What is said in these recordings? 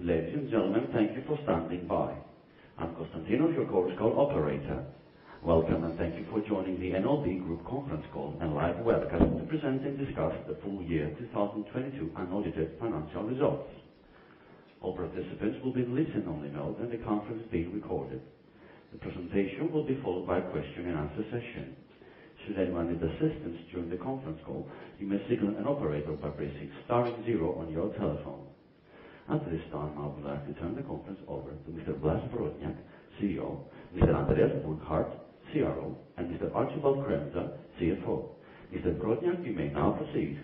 Ladies and gentlemen, thank you for standing by. I'm Constantinos, your conference call operator. Welcome, and thank you for joining the NLB Group conference call and live webcast to present and discuss the full year 2022 unaudited financial results. All participants will be in listen only mode and the conference is being recorded. The presentation will be followed by a question and answer session. Should anyone need assistance during the conference call, you may signal an operator by pressing star zero on your telephone. At this time, I would like to turn the conference over to Mr. Blaž Brodnjak, CEO, Mr. Andreas Burkhardt, CRO, and Mr. Archibald Kremser, CFO. Mr. Brodnjak, you may now proceed.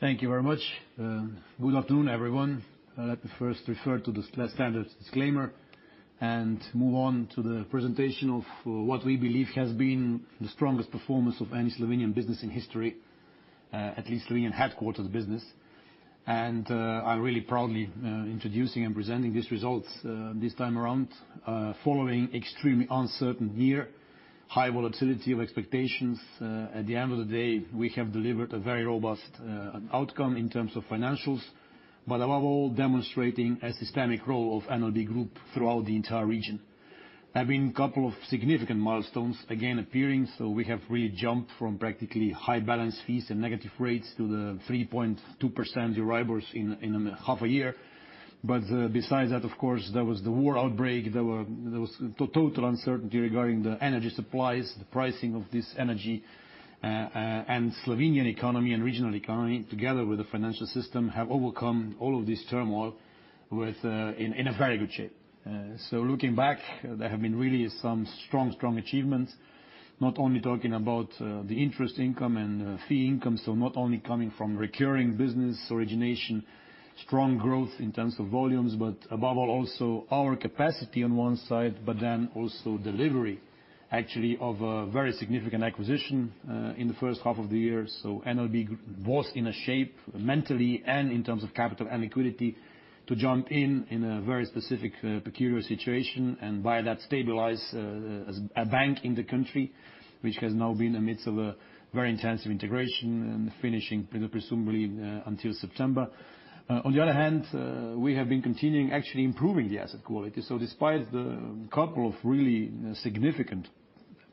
Thank you very much. Good afternoon, everyone. Let me first refer to the standard disclaimer and move on to the presentation of what we believe has been the strongest performance of any Slovenian business in history, at least Slovenian headquarters business. I'm really proudly introducing and presenting these results this time around. Following extremely uncertain year, high volatility of expectations, at the end of the day, we have delivered a very robust outcome in terms of financials, but above all, demonstrating a systemic role of NLB Group throughout the entire region. There have been couple of significant milestones again appearing, we have really jumped from practically high balance fees and negative rates to the 3.2% arrivals in half a year. Besides that, of course, there was the war outbreak. There was total uncertainty regarding the energy supplies, the pricing of this energy, and Slovenian economy and regional economy, together with the financial system, have overcome all of this turmoil in a very good shape. Looking back, there have been really some strong achievements, not only talking about the interest income and fee income, so not only coming from recurring business origination, strong growth in terms of volumes, but above all also our capacity on one side, then also delivery actually of a very significant acquisition in the first half of the year. NLB was in a shape mentally and in terms of capital and liquidity to jump in in a very specific, peculiar situation, and by that stabilize a bank in the country which has now been amidst of a very intensive integration and finishing presumably until September. On the other hand, we have been continuing actually improving the asset quality. Despite the couple of really significant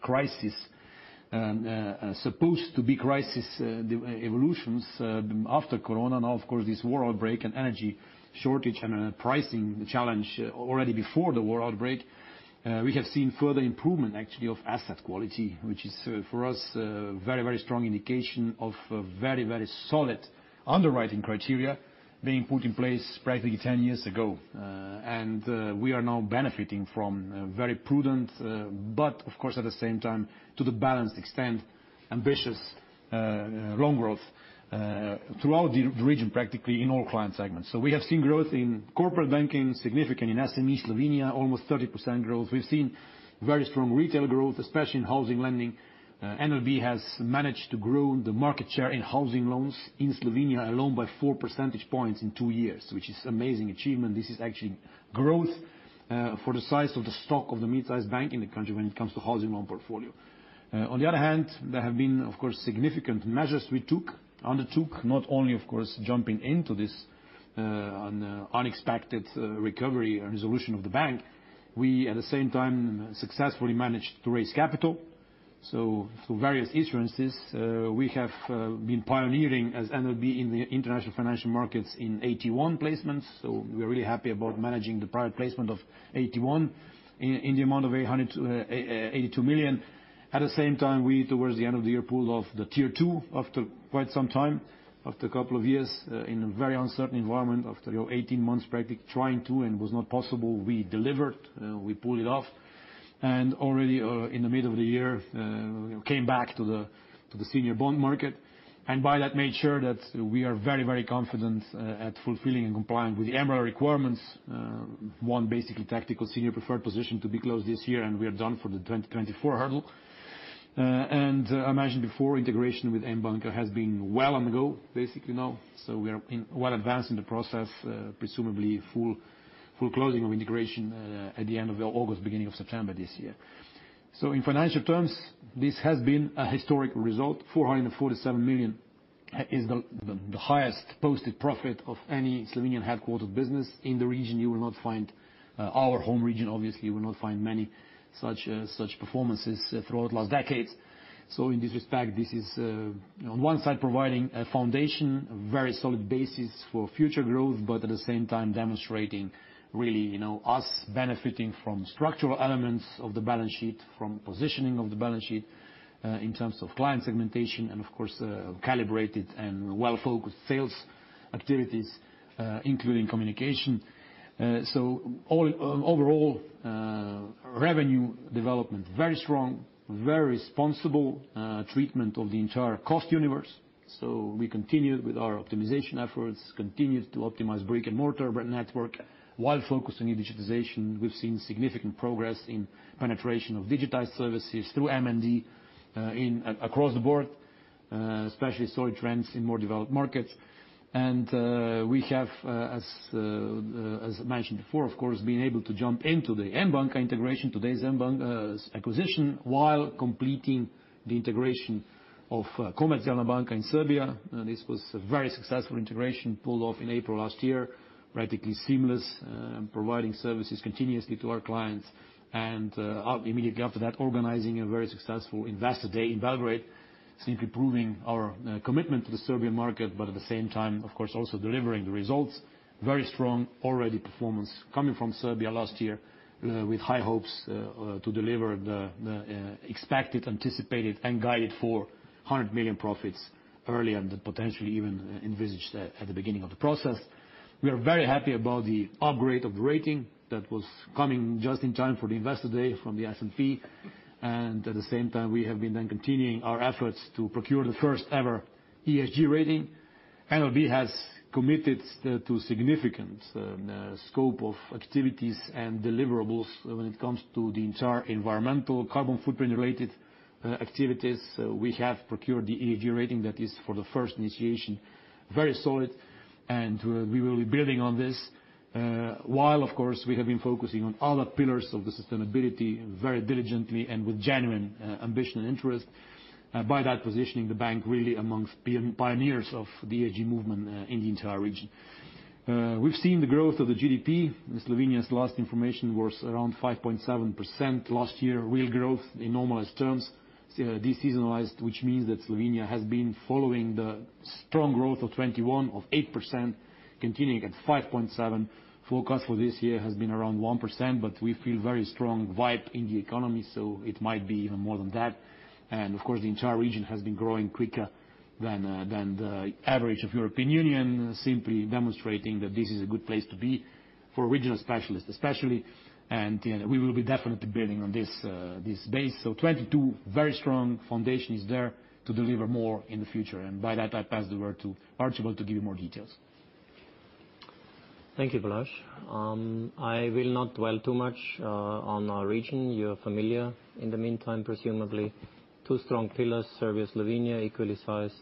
crisis and supposed to be crisis evolutions, after Corona, now of course, this war outbreak and energy shortage and pricing challenge already before the war outbreak, we have seen further improvement actually of asset quality, which is for us, a very, very strong indication of a very, very solid underwriting criteria being put in place practically 10 years ago. We are now benefiting from a very prudent, but of course, at the same time, to the balanced extent, ambitious loan growth throughout the region, practically in all client segments. We have seen growth in corporate banking, significant in SME Slovenia, almost 30% growth. We've seen very strong retail growth, especially in housing lending. NLB has managed to grow the market share in housing loans in Slovenia alone by four percentage points in two years, which is amazing achievement. This is actually growth for the size of the stock of the mid-sized bank in the country when it comes to housing loan portfolio. On the other hand, there have been, of course, significant measures we undertook, not only of course, jumping into this un-unexpected recovery and resolution of the bank. We at the same time successfully managed to raise capital. Through various insurances, we have been pioneering as NLB in the international financial markets in AT1 placements. We are really happy about managing the private placement of AT1 in the amount of 82 million. At the same time, we, towards the end of the year, pulled off the Tier 2 after quite some time, after a couple of years in a very uncertain environment, after 18 months practically trying to and was not possible. We delivered, we pulled it off and already in the middle of the year came back to the senior bond market, and by that made sure that we are very, very confident at fulfilling and complying with the MREL requirements. One basically tactical senior preferred position to be closed this year, we are done for the 2024 hurdle. I mentioned before, integration with N Banka has been well on the go, basically now. We are in well advanced in the process, presumably full closing of integration at the end of August, beginning of September this year. In financial terms, this has been a historic result. 447 million is the highest posted profit of any Slovenian headquarters business in the region. You will not find, our home region, obviously, you will not find many such performances throughout last decades. In this respect, this is on one side providing a foundation, a very solid basis for future growth, but at the same time demonstrating really, you know, us benefiting from structural elements of the balance sheet, from positioning of the balance sheet, in terms of client segmentation and of course, calibrated and well-focused sales activities, including communication. Overall, revenue development, very strong, very responsible, treatment of the entire cost universe. We continued with our optimization efforts, continued to optimize brick and mortar network while focusing on digitization. We've seen significant progress in penetration of digitized services through M&D, in across the board. Especially solid trends in more developed markets. We have, as I mentioned before, of course, been able to jump into the N Banka integration, today's N Banka acquisition, while completing the integration of Komercijalna Banka in Serbia. This was a very successful integration pulled off in April last year, radically seamless, providing services continuously to our clients. Immediately after that, organizing a very successful investor day in Belgrade, simply proving our commitment to the Serbian market, but at the same time, of course, also delivering the results. Very strong already performance coming from Serbia last year, with high hopes to deliver the expected, anticipated, and guided for 100 million profits early and potentially even envisaged at the beginning of the process. We are very happy about the upgrade of the rating that was coming just in time for the investor day from the S&P. At the same time, we have been then continuing our efforts to procure the first ever ESG rating. NLB has committed to significant scope of activities and deliverables when it comes to the entire environmental carbon footprint-related activities. We have procured the ESG rating that is for the first initiation, very solid, and we will be building on this. While of course, we have been focusing on other pillars of the sustainability very diligently and with genuine ambition and interest, by that positioning the bank really amongst pioneers of the ESG movement in the entire region. We've seen the growth of the GDP. Slovenia's last information was around 5.7% last year, real growth in normalized terms, deseasonalized, which means that Slovenia has been following the strong growth of 2021, of 8% continuing at 5.7%. Forecast for this year has been around 1%. We feel very strong vibe in the economy, so it might be even more than that. Of course, the entire region has been growing quicker than the average of European Union, simply demonstrating that this is a good place to be for regional specialists, especially. You know, we will be definitely building on this base. 2022, very strong foundation is there to deliver more in the future. By that, I pass the word to Archibald to give you more details. Thank you, Blaž. I will not dwell too much on our region. You're familiar. In the meantime, presumably, two strong pillars, Serbia, Slovenia, equally sized,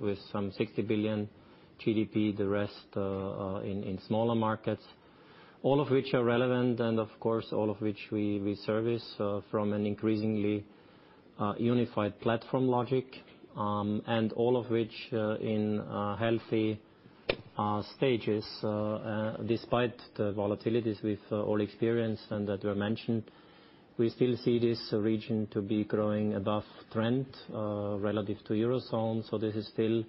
with some 60 billion GDP, the rest in smaller markets. All of which are relevant, and of course, all of which we service from an increasingly unified platform logic, and all of which in healthy stages despite the volatilities we've all experienced and that were mentioned. We still see this region to be growing above trend relative to Eurozone. This is still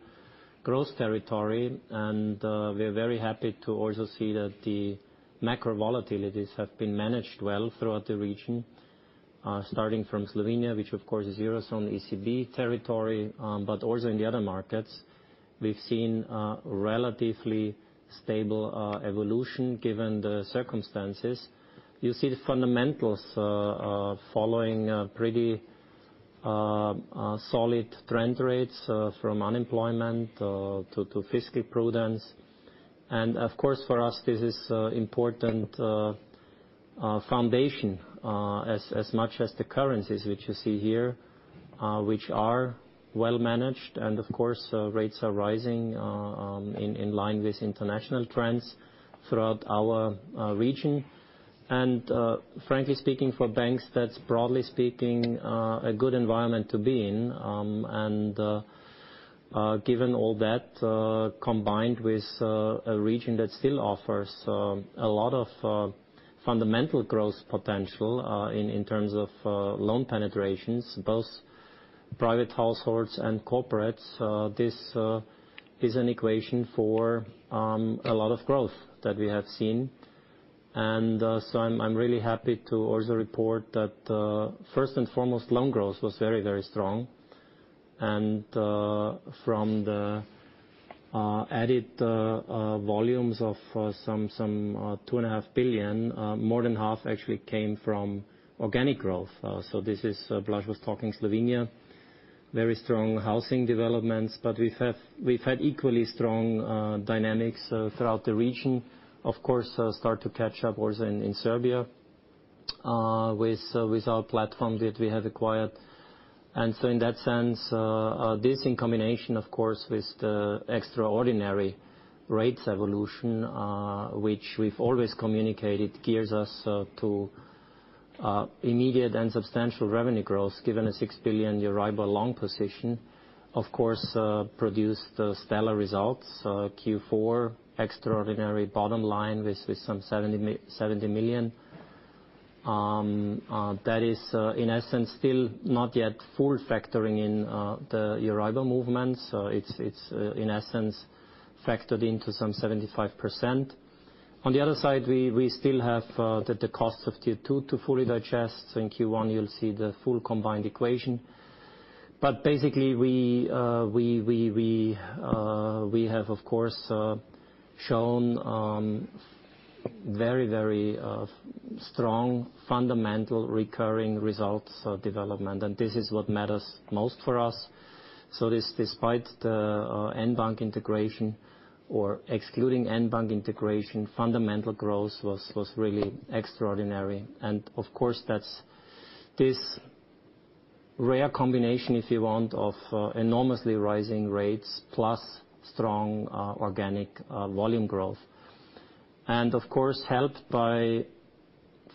growth territory, and we're very happy to also see that the macro volatilities have been managed well throughout the region, starting from Slovenia, which of course is Eurozone ECB territory, but also in the other markets. We've seen relatively stable evolution given the circumstances. You see the fundamentals following pretty solid trend rates from unemployment to fiscal prudence. Of course, for us, this is important foundation as much as the currencies which you see here, which are well managed. Of course, rates are rising in line with international trends throughout our region. Frankly speaking, for banks, that's broadly speaking a good environment to be in. Given all that, combined with a region that still offers a lot of fundamental growth potential in terms of loan penetrations, both private households and corporates, this is an equation for a lot of growth that we have seen. I'm really happy to also report that first and foremost, loan growth was very, very strong. From the added volumes of 2.5 billion, more than half actually came from organic growth. This is Blaž was talking Slovenia, very strong housing developments. We've had equally strong dynamics throughout the region, of course, start to catch up also in Serbia with our platform that we have acquired. In that sense, this in combination of course, with the extraordinary rates evolution, which we've always communicated, gears us to immediate and substantial revenue growth, given a 6 billion euro long position, of course, produced stellar results. Q4 extraordinary bottom line with some 70 million, that is, in essence still not yet full factoring in the EUR movement. It's, it's, in essence factored into some 75%. On the other side, we still have the cost of Q2 to fully digest. In Q1, you'll see the full combined equation. Basically, we, we have, of course, shown very, very strong fundamental recurring results development. This is what matters most for us. This despite the N Banka integration or excluding N Banka integration, fundamental growth was really extraordinary. Of course, that's this rare combination, if you want, of enormously rising rates plus strong organic volume growth. Of course, helped by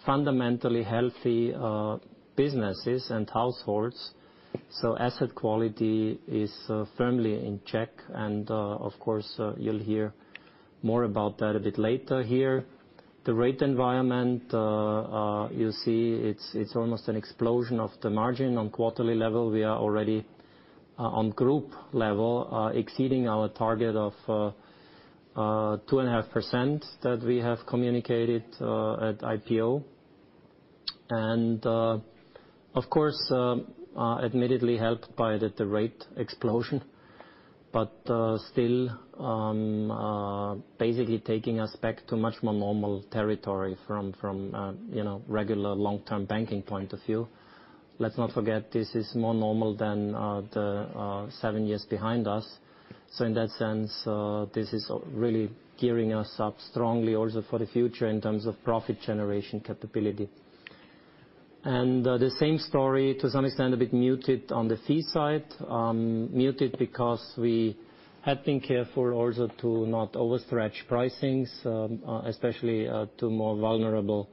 fundamentally healthy businesses and households, so asset quality is firmly in check, and of course, you'll hear more about that a bit later here. The rate environment, you'll see it's almost an explosion of the margin on quarterly level. We are already on group level, exceeding our target of 2.5% that we have communicated at IPO. Of course, admittedly helped by the rate explosion. Still, basically taking us back to much more normal territory from, you know, regular long-term banking point of view. Let's not forget this is more normal than the seven years behind us. In that sense, this is really gearing us up strongly also for the future in terms of profit generation capability. The same story, to some extent, a bit muted on the fee side, muted because we had been careful also to not overstretch pricings, especially to more vulnerable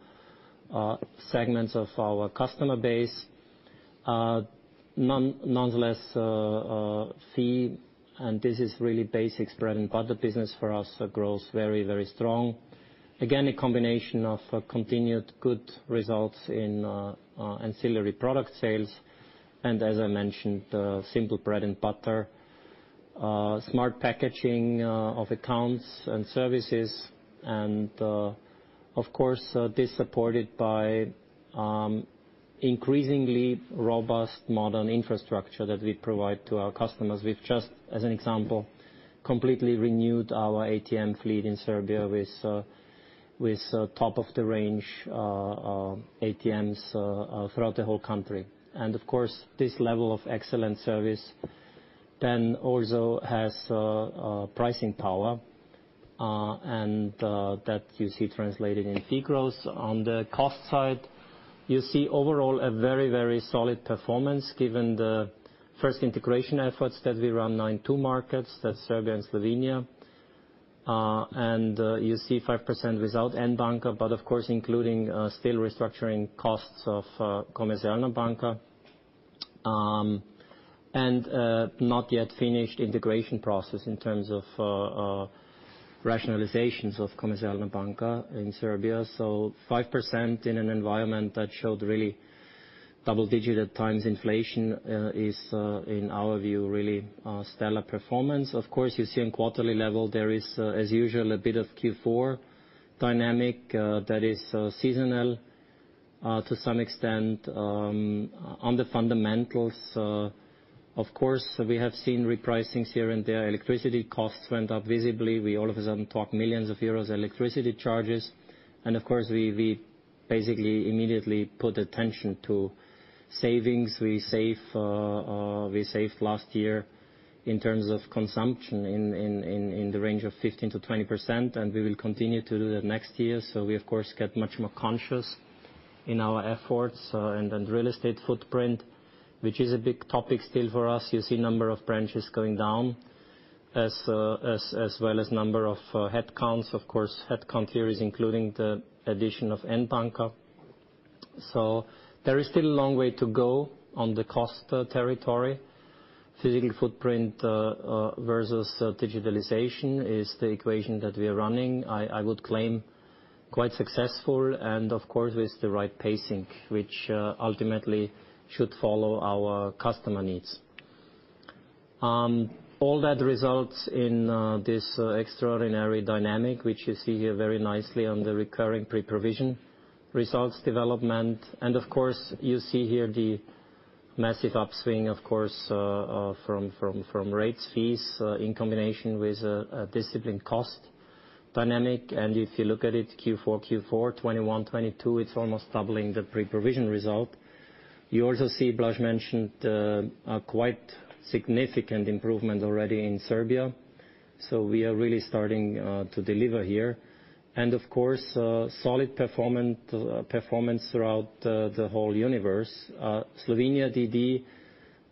segments of our customer base. Nonetheless, fee, and this is really basic bread and butter business for us, grows very, very strong. Again, a combination of continued good results in ancillary product sales, and as I mentioned, simple bread and butter, smart packaging of accounts and services, and, of course, this supported by increasingly robust modern infrastructure that we provide to our customers. We've just, as an example, completely renewed our ATM fleet in Serbia with top-of-the-range ATMs throughout the whole country. Of course, this level of excellent service then also has pricing power and that you see translated in fee growth. On the cost side, you see overall a very, very solid performance given the first integration efforts that we run 9-2 markets, that's Serbia and Slovenia. You see 5% without N Banka, but of course, including still restructuring costs of Komercijalna Banka and not yet finished integration process in terms of rationalizations of Komercijalna Banka in Serbia. 5% in an environment that showed really double-digit at times inflation is in our view, really stellar performance. Of course, you see on quarterly level, there is, as usual, a bit of Q4 dynamic, that is, seasonal, to some extent, on the fundamentals. Of course, we have seen repricings here and there. Electricity costs went up visibly. We all of a sudden talk millions of EUR electricity charges. Of course, we basically immediately put attention to savings. We save, we saved last year in terms of consumption in the range of 15%-20%, and we will continue to do that next year. We of course get much more conscious in our efforts, and real estate footprint, which is a big topic still for us. You see number of branches going down as well as number of headcounts. Of course, headcount here is including the addition of N Banka. There is still a long way to go on the cost territory. Physical footprint versus digitalization is the equation that we are running. I would claim quite successful and of course, with the right pacing, which ultimately should follow our customer needs. All that results in this extraordinary dynamic, which you see here very nicely on the recurring pre-provision results development. Of course, you see here the massive upswing, of course, from rates, fees in combination with a disciplined cost dynamic. If you look at it Q4, 2021, 2022, it's almost doubling the pre-provision result. You also see Blaž mentioned a quite significant improvement already in Serbia. We are really starting to deliver here. Of course, solid performant performance throughout the whole universe. Slovenia DD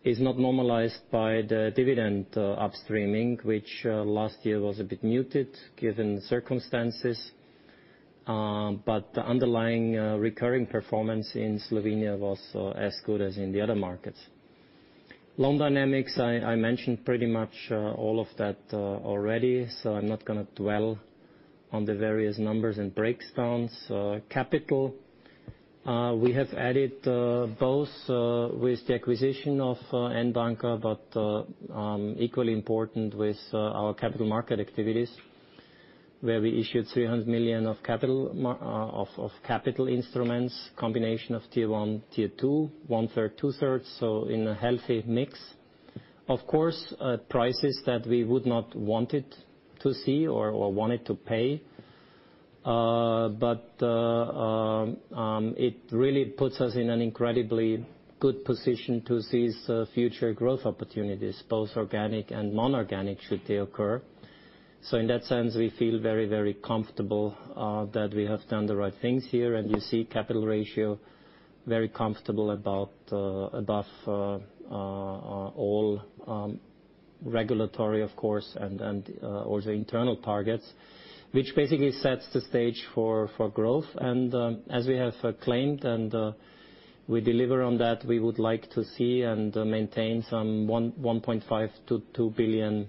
is not normalized by the dividend upstreaming, which last year was a bit muted given the circumstances. The underlying recurring performance in Slovenia was as good as in the other markets. Loan dynamics, I mentioned pretty much all of that already, so I'm not gonna dwell on the various numbers and breakdowns. Capital, we have added both with the acquisition of N Banka, but equally important with our capital market activities, where we issued 300 million of capital instruments, combination of Tier 1, Tier 2, one-third, two-thirds, so in a healthy mix. Of course, prices that we would not wanted to see or wanted to pay, but it really puts us in an incredibly good position to seize future growth opportunities, both organic and non-organic should they occur. In that sense, we feel very, very comfortable that we have done the right things here, and you see capital ratio very comfortable about above all regulatory, of course, and also internal targets, which basically sets the stage for growth. As we have claimed and we deliver on that, we would like to see and maintain some 1.5 billion-2 billion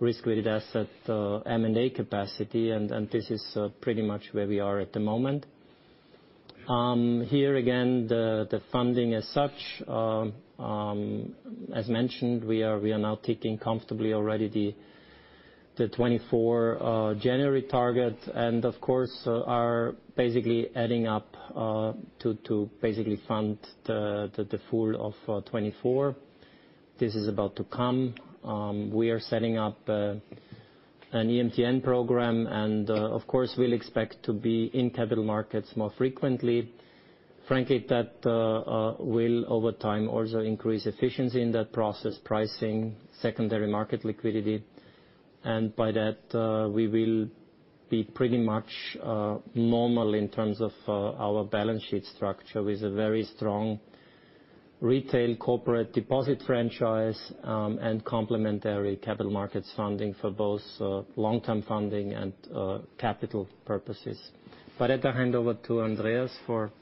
risk-weighted asset M&A capacity. This is pretty much where we are at the moment. Here again, the funding as such. As mentioned, we are now ticking comfortably already the 2024 January target, and of course, are basically adding up to basically fund the full of 2024. This is about to come. We are setting up an EMTN program and, of course, we'll expect to be in capital markets more frequently. Frankly, that will over time also increase efficiency in that process, pricing, secondary market liquidity. By that, we will be pretty much normal in terms of our balance sheet structure with a very strong retail corporate deposit franchise, and complementary capital markets funding for both long-term funding and capital purposes. I hand over to Andreas for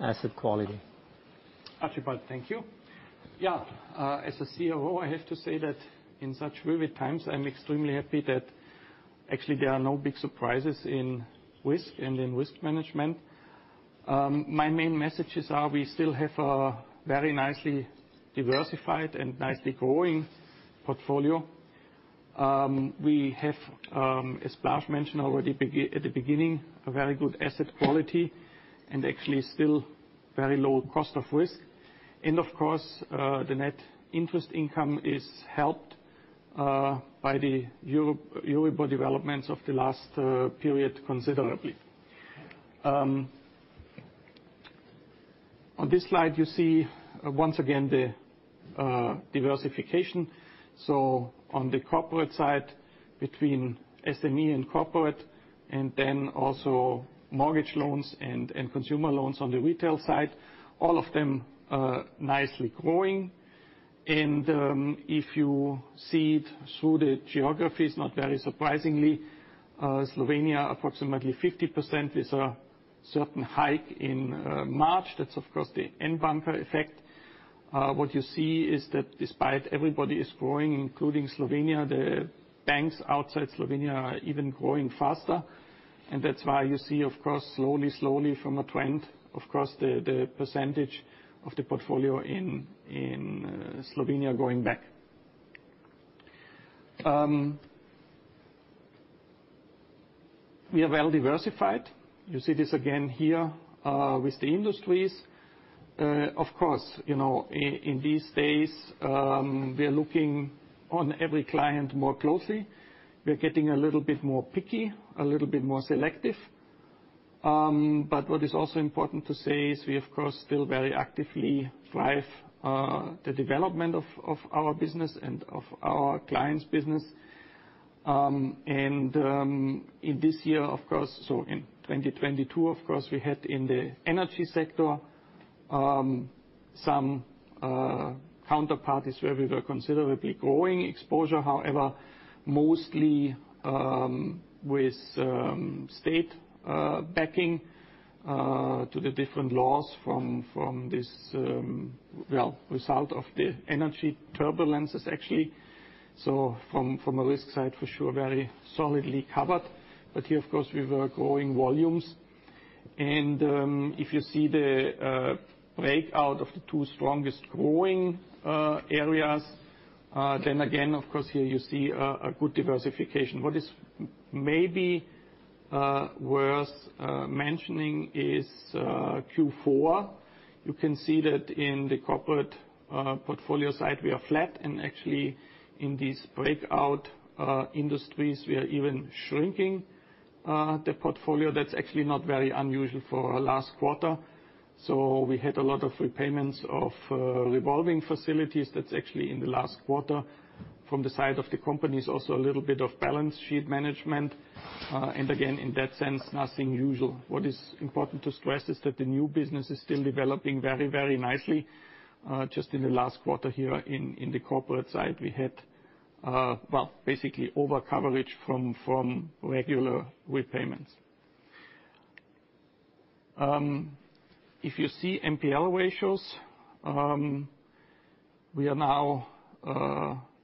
asset quality. Archibald, thank you. Yeah, as a COO, I have to say that in such vivid times, I'm extremely happy that actually there are no big surprises in risk and in risk management. My main messages are we still have very nicely diversified and nicely growing portfolio. We have, as Blaž mentioned already at the beginning, a very good asset quality, and actually still very low cost of risk. Of course, the net interest income is helped by the Euro developments of the last period considerably. On this slide, you see once again the diversification. On the corporate side, between SME and corporate, and then also mortgage loans and consumer loans on the retail side, all of them nicely growing. If you see it through the geographies, not very surprisingly, Slovenia, approximately 50%, is a certain hike in March. That's of course the N Banka effect. What you see is that despite everybody is growing, including Slovenia, the banks outside Slovenia are even growing faster. That's why you see, of course, slowly from a trend, of course, the percentage of the portfolio in Slovenia going back. We are well-diversified. You see this again here with the industries. Of course, you know, in these days, we are looking on every client more closely. We're getting a little bit more picky, a little bit more selective. What is also important to say is we, of course, still very actively drive the development of our business and of our clients' business. In this year, of course, so in 2022, of course, we had in the energy sector, some counterparties where we were considerably growing exposure. However, mostly, with state backing to the different laws from this, well, result of the energy turbulences, actually. From a risk side, for sure, very solidly covered. Here, of course, we were growing volumes. If you see the breakout of the two strongest growing areas, then again, of course, here you see a good diversification. What is maybe worth mentioning is Q4. You can see that in the corporate portfolio side, we are flat. Actually, in these breakout industries, we are even shrinking the portfolio. That's actually not very unusual for our last quarter. We had a lot of repayments of revolving facilities. That's actually in the last quarter. From the side of the companies, also a little bit of balance sheet management. Again, in that sense, nothing usual. What is important to stress is that the new business is still developing very, very nicely. Just in the last quarter here in the corporate side, we had, well, basically overcoverage from regular repayments. If you see NPL ratios, we are now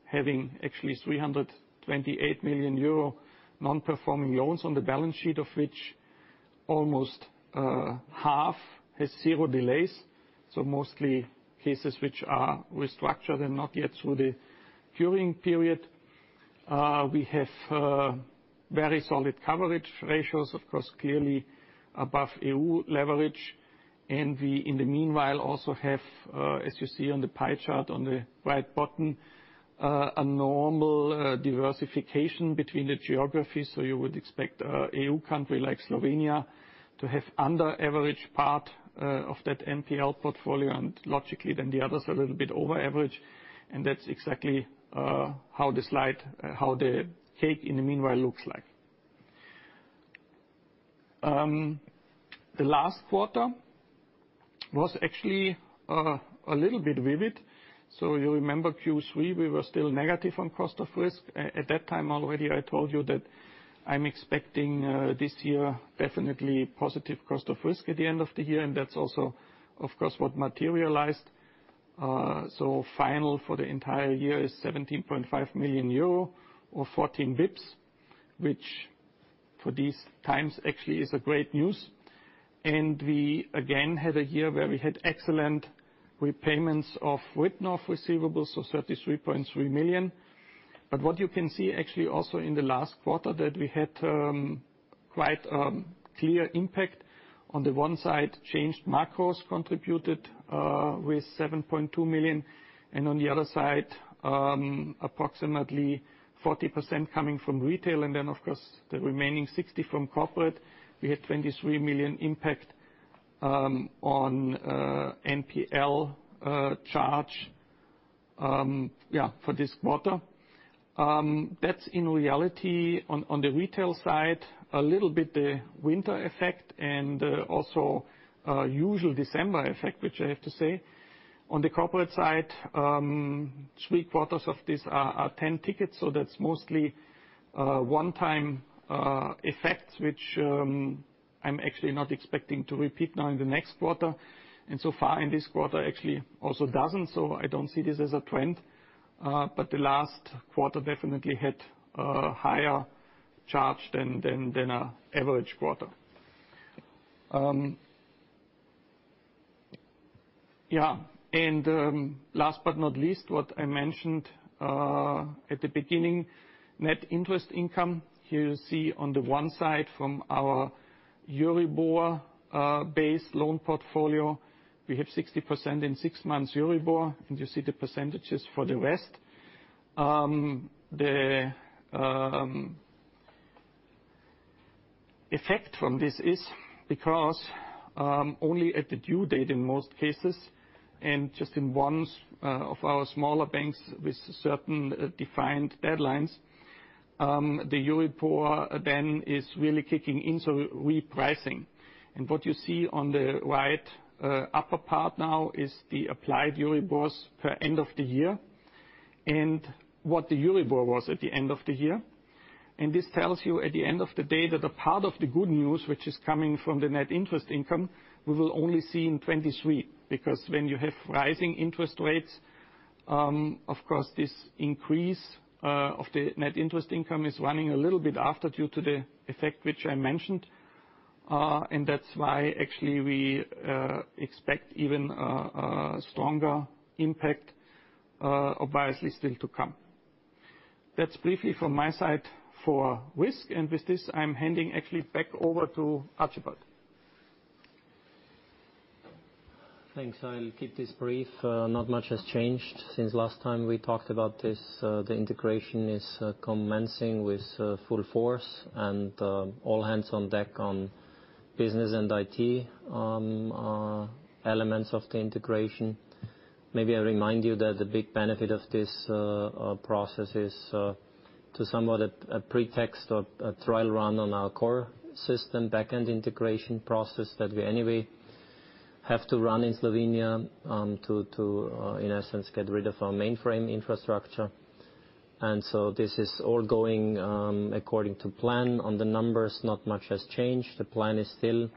having actually 328 million euro non-performing loans on the balance sheet, of which almost half has zero delays. Mostly cases which are restructured and not yet through the curing period. We have very solid coverage ratios, of course, clearly above EU leverage. We, in the meanwhile, also have, as you see on the pie chart on the right bottom, a normal diversification between the geographies. You would expect a EU country like Slovenia to have under average part of that NPL portfolio, and logically, then the others a little bit over average. That's exactly how the slide, how the cake in the meanwhile looks like. The last quarter was actually a little bit vivid. You remember Q3, we were still negative on cost of risk. At that time already, I told you that I'm expecting this year definitely positive cost of risk at the end of the year, that's also, of course, what materialized. Final for the entire year is 17.5 million euro, or 14 BIPS, which for these times actually is a great news. We again had a year where we had excellent repayments of write-off receivables, so 33.3 million. What you can see actually also in the last quarter that we had, quite clear impact. On the one side, changed macros contributed with 7.2 million. On the other side, approximately 40% coming from retail, and then, of course, the remaining 60 from corporate. We had 23 million impact on NPL charge for this quarter. That's in reality on the retail side, a little bit the winter effect and also usual December effect, which I have to say. On the corporate side, three quarters of this are 10 tickets, so that's mostly one-time effects which I'm actually not expecting to repeat now in the next quarter. So far in this quarter actually also doesn't, so I don't see this as a trend. The last quarter definitely had a higher charge than an average quarter. Yeah. Last but not least, what I mentioned at the beginning, net interest income. You see on the one side from our Euribor base loan portfolio, we have 60% in six months Euribor, and you see the percentages for the rest. The effect from this is because only at the due date in most cases, and just in one of our smaller banks with certain defined deadlines, the Euribor then is really kicking in, so repricing. What you see on the right upper part now is the applied Euribors per end of the year and what the Euribor was at the end of the year. This tells you at the end of the day that a part of the good news which is coming from the net interest income, we will only see in 2023. When you have rising interest rates, of course, this increase of the net interest income is running a little bit after due to the effect which I mentioned. That's why actually we expect even a stronger impact obviously still to come. That's briefly from my side for risk. With this, I'm handing actually back over to Archibald. Thanks. I'll keep this brief. Not much has changed since last time we talked about this. The integration is commencing with full force and all hands on deck on business and IT elements of the integration. Maybe I remind you that the big benefit of this process is to some of the, a pretext or a trial run on our core system backend integration process that we anyway have to run in Slovenia to, in essence, get rid of our mainframe infrastructure. This is all going according to plan. On the numbers, not much has changed. The plan is still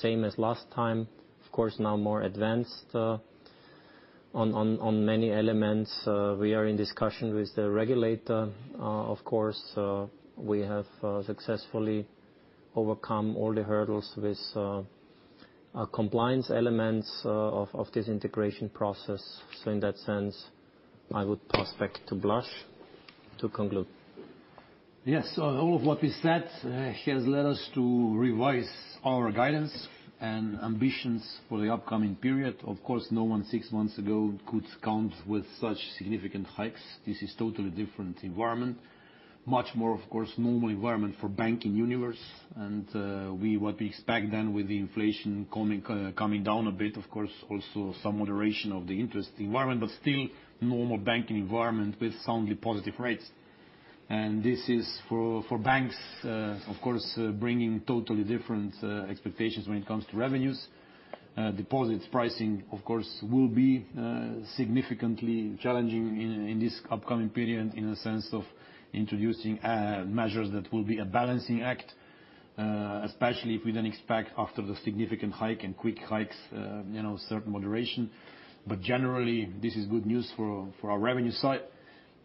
same as last time. Of course, now more advanced on many elements. We are in discussion with the regulator, of course. We have successfully overcome all the hurdles with our compliance elements of this integration process. In that sense, I would pass back to Blaž to conclude. Yes. All of what we said has led us to revise our guidance and ambitions for the upcoming period. Of course, no one six months ago could count with such significant hikes. This is totally different environment. Much more, of course, normal environment for banking universe. What we expect then with the inflation coming down a bit, of course, also some moderation of the interest environment, but still normal banking environment with soundly positive rates. This is for banks, of course, bringing totally different expectations when it comes to revenues. Deposits pricing, of course, will be significantly challenging in this upcoming period in the sense of introducing measures that will be a balancing act, especially if we then expect after the significant hike and quick hikes, you know, certain moderation. Generally, this is good news for our revenue side.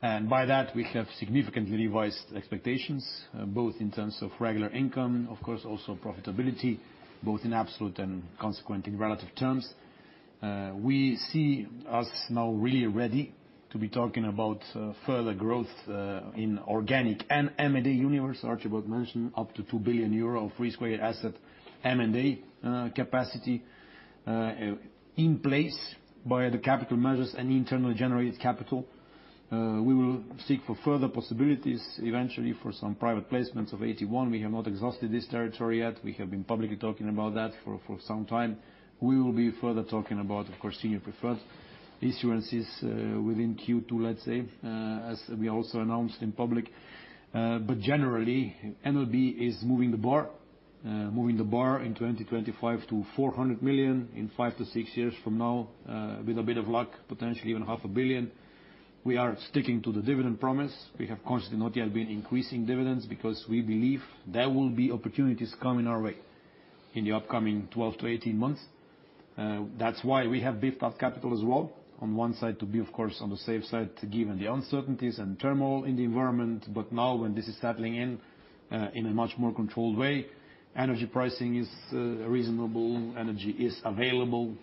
By that, we have significantly revised expectations, both in terms of regular income, of course, also profitability, both in absolute and consequent in relative terms. We see us now really ready to be talking about further growth in organic and M&A universe. Archibald mentioned up to 2 billion euro of risk-weighted asset M&A capacity in place by the capital measures and internal generated capital. We will seek for further possibilities eventually for some private placements of AT1. We have not exhausted this territory yet. We have been publicly talking about that for some time. We will be further talking about, of course, senior preferred issuances within Q2, let's say, as we also announced in public. Generally, NLB is moving the bar Moving the bar in 2025 to 400 million in 5-6 years from now, with a bit of luck, potentially even half a billion. We are sticking to the dividend promise. We have consciously not yet been increasing dividends because we believe there will be opportunities coming our way in the upcoming 12-18 months. That's why we have beefed up capital as well, on one side to be, of course, on the safe side, given the uncertainties and turmoil in the environment. Now when this is settling in a much more controlled way, energy pricing is reasonable, energy is available,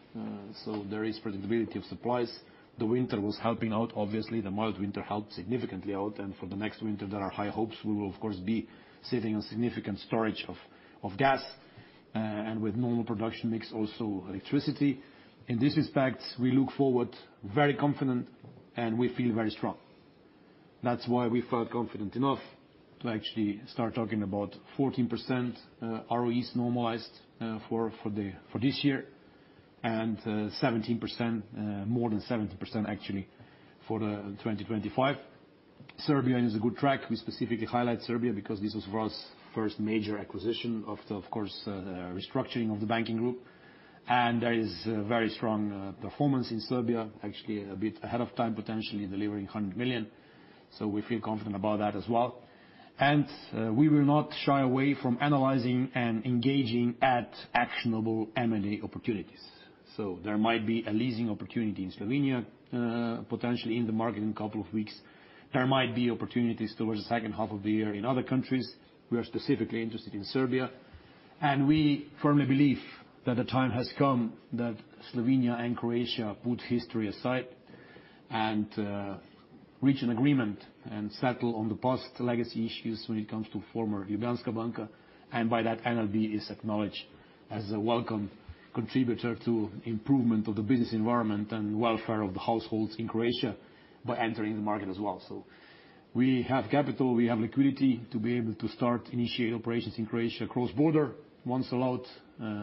so there is predictability of supplies. The winter was helping out, obviously, the mild winter helped significantly out. For the next winter, there are high hopes we will, of course, be sitting on significant storage of gas and with normal production mix, also electricity. In this aspect, we look forward very confident and we feel very strong. That's why we felt confident enough to actually start talking about 14% ROEs normalized for this year and 17%, more than 17% actually for 2025. Serbia is a good track. We specifically highlight Serbia because this was for us, first major acquisition of the, of course, the restructuring of the banking group. There is a very strong performance in Serbia, actually a bit ahead of time, potentially delivering 100 million. We feel confident about that as well. We will not shy away from analyzing and engaging at actionable M&A opportunities. There might be a leasing opportunity in Slovenia, potentially in the market in a couple of weeks. There might be opportunities towards the second half of the year in other countries. We are specifically interested in Serbia, we firmly believe that the time has come that Slovenia and Croatia put history aside and reach an agreement and settle on the past legacy issues when it comes to former Ljubljanska banka. By that NLB is acknowledged as a welcome contributor to improvement of the business environment and welfare of the households in Croatia by entering the market as well. We have capital, we have liquidity to be able to start initiate operations in Croatia cross-border once allowed.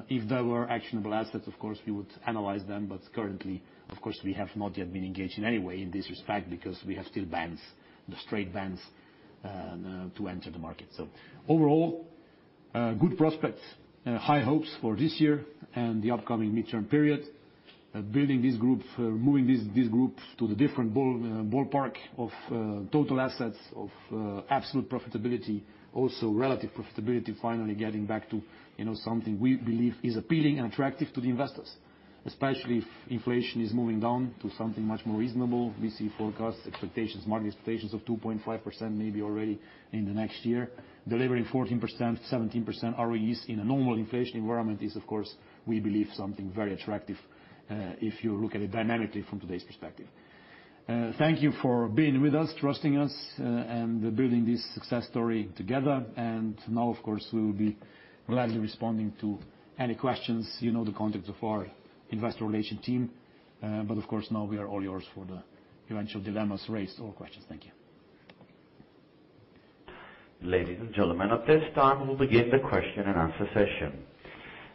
If there were actionable assets, of course, we would analyze them, but currently, of course, we have not yet been engaged in any way in this respect because we have still bans, the straight bans, to enter the market. Overall, good prospects, high hopes for this year and the upcoming midterm period. Building this group, moving this group to the different ballpark of total assets of absolute profitability, also relative profitability. Finally getting back to, you know, something we believe is appealing and attractive to the investors, especially if inflation is moving down to something much more reasonable. We see forecasts, expectations, market expectations of 2.5% maybe already in the next year. Delivering 14%, 17% ROEs in a normal inflation environment is of course, we believe something very attractive, if you look at it dynamically from today's perspective. Thank you for being with us, trusting us, and building this success story together. Now of course, we will be gladly responding to any questions, you know the contacts of our investor relation team. Of course, now we are all yours for the eventual dilemmas raised or questions. Thank you. Ladies and gentlemen, at this time, we'll begin the question and answer session.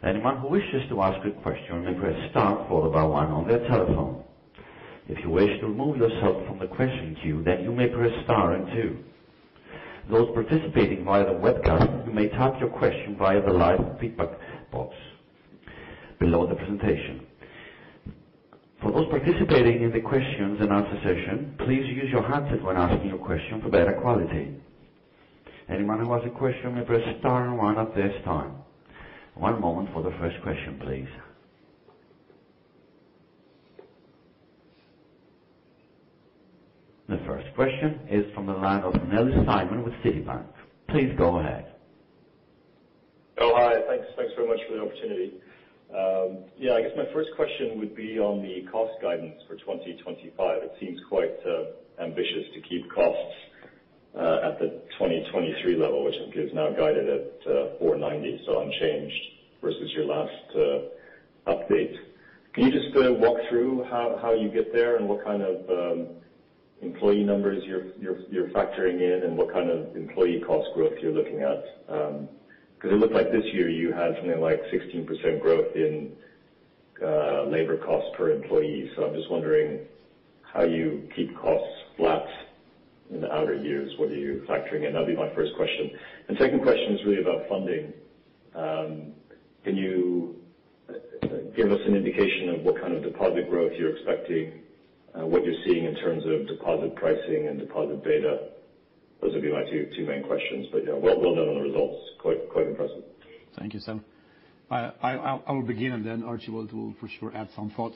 Anyone who wishes to ask a question may press star followed by 1 on their telephone. If you wish to remove yourself from the question queue, you may press star and 2. Those participating via the webcast, you may type your question via the live feedback box below the presentation. For those participating in the questions and answer session, please use your handset when asking your question for better quality. Anyone who has a question may press star and 1 at this time. One moment for the first question, please. The first question is from the line of Nelly Simon with Citi. Please go ahead. Hi. Thanks very much for the opportunity. Yeah, I guess my first question would be on the cost guidance for 2025. It seems quite ambitious to keep costs at the 2023 level, which I guess now guided at 490 million, so unchanged versus your last update. Can you just walk through how you get there and what kind of employee numbers you're factoring in and what kind of employee cost growth you're looking at? 'Cause it looked like this year you had something like 16% growth in labor costs per employee. So I'm just wondering how you keep costs flat in the outer years. What are you factoring in? That'd be my first question. Second question is really about funding. Can you give us an indication of what kind of deposit growth you're expecting? What you're seeing in terms of deposit pricing and deposit beta? Those would be my two main questions. Yeah, well done on the results. Quite impressive. Thank you, Nelly. I will begin then Archie will for sure add some thoughts.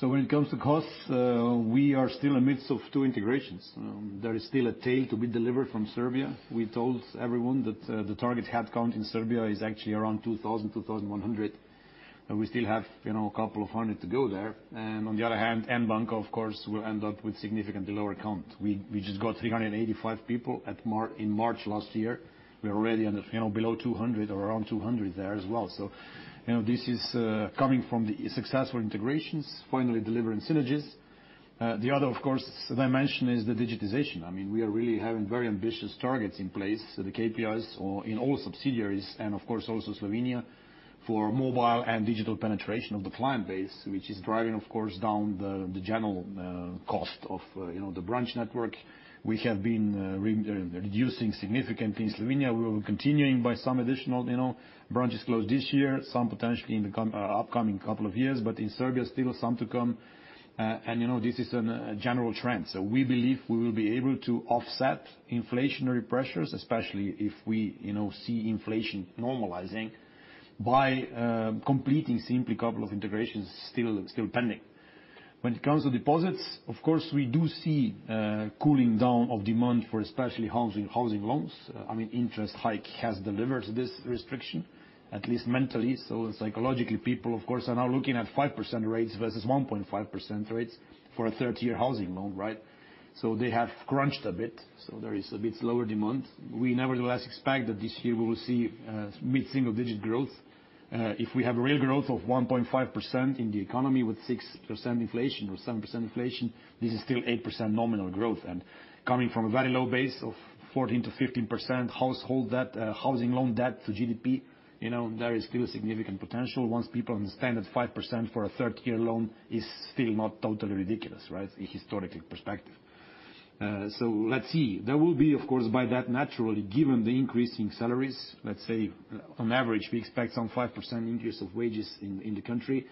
When it comes to costs, we are still in midst of two integrations. There is still a take to be delivered from Serbia. We told everyone that the target headcount in Serbia is actually around 2,000, 2,100. We still have, you know, a couple of hundred to go there. On the other hand, N Banka, of course, will end up with significantly lower count. We just got 385 people in March last year. We are already under, you know, below 200 or around 200 there as well. You know, this is coming from the successful integrations finally delivering synergies. The other, of course, dimension is the digitization. I mean, we are really having very ambitious targets in place, the KPIs or in all subsidiaries and of course also Slovenia. For mobile and digital penetration of the client base, which is driving, of course, down the general cost of, you know, the branch network. We have been reducing significantly in Slovenia. We are continuing by some additional, you know, branches closed this year, some potentially in the upcoming couple of years, but in Serbia, still some to come. You know, this is a general trend. We believe we will be able to offset inflationary pressures, especially if we, you know, see inflation normalizing by completing simply a couple of integrations still pending. When it comes to deposits, of course, we do see cooling down of demand for especially housing loans. I mean, interest hike has delivered this restriction, at least mentally. Psychologically, people, of course, are now looking at 5% rates versus 1.5% rates for a third tier housing loan, right? They have crunched a bit, so there is a bit lower demand. We nevertheless expect that this year we will see mid-single digit growth. If we have a real growth of 1.5% in the economy with 6% inflation or 7% inflation, this is still 8% nominal growth. Coming from a very low base of 14%-15% household debt, housing loan debt to GDP, you know, there is still significant potential once people understand that 5% for a third tier loan is still not totally ridiculous, right, in historically perspective. Let's see. There will be, of course, by that naturally, given the increase in salaries, let's say on average, we expect some 5% increase of wages in the country.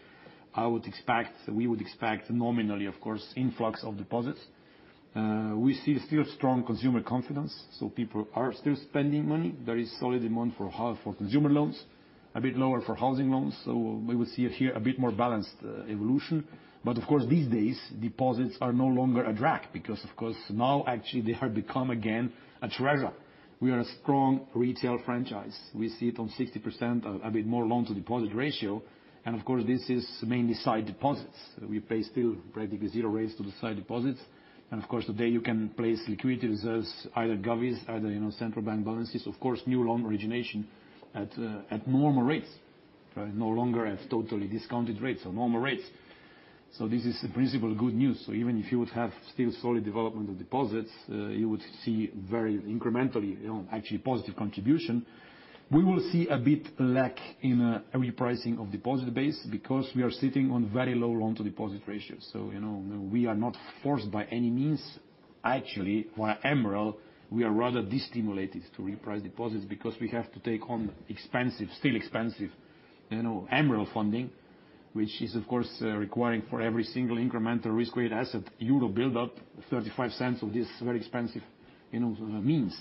I would expect, we would expect nominally, of course, influx of deposits. We see still strong consumer confidence, so people are still spending money. There is solid demand for consumer loans, a bit lower for housing loans. We will see it here, a bit more balanced evolution. Of course, these days, deposits are no longer a drag because of course, now actually they have become again a treasure. We are a strong retail franchise. We see it on 60%, a bit more loan to deposit ratio. Of course, this is mainly side deposits. We pay still practically zero rates to the side deposits. Today you can place liquidity reserves, either govvies, either, you know, central bank balances, of course, new loan origination at normal rates, right? No longer at totally discounted rates or normal rates. This is in principle good news. Even if you would have still solid development of deposits, you would see very incrementally, actually positive contribution. We will see a bit lack in a repricing of deposit base because we are sitting on very low loan to deposit ratios. You know, we are not forced by any means... Actually, via MREL, we are rather distimulated to reprice deposits because we have to take on expensive, still expensive, you know, MREL funding, which is of course, requiring for every single incremental risk-weighted asset, euro build-up 0.35 of this very expensive, you know, means.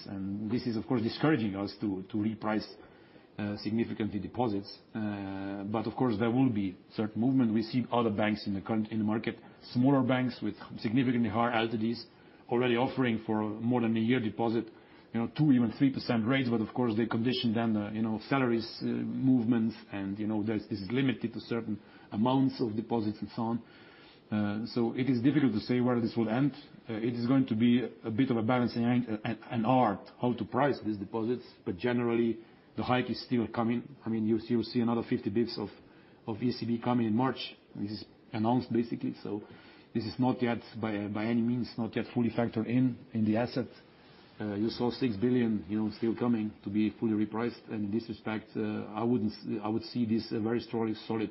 This is of course discouraging us to reprice significantly deposits. Of course, there will be certain movement. We see other banks in the current, in the market, smaller banks with significantly higher LTDs already offering for more than a year deposit, you know, 2%, even 3% rates. Of course, they condition then the, you know, salaries movements and, you know, there's, it's limited to certain amounts of deposits and so on. It is difficult to say where this will end. It is going to be a bit of a balancing and art how to price these deposits. Generally, the hike is still coming. I mean, you'll see another 50 bps of ECB coming in March. This is announced basically. This is not yet by any means, not yet fully factored in in the asset. You saw 6 billion, you know, still coming to be fully repriced. In this respect, I would see this a very strongly solid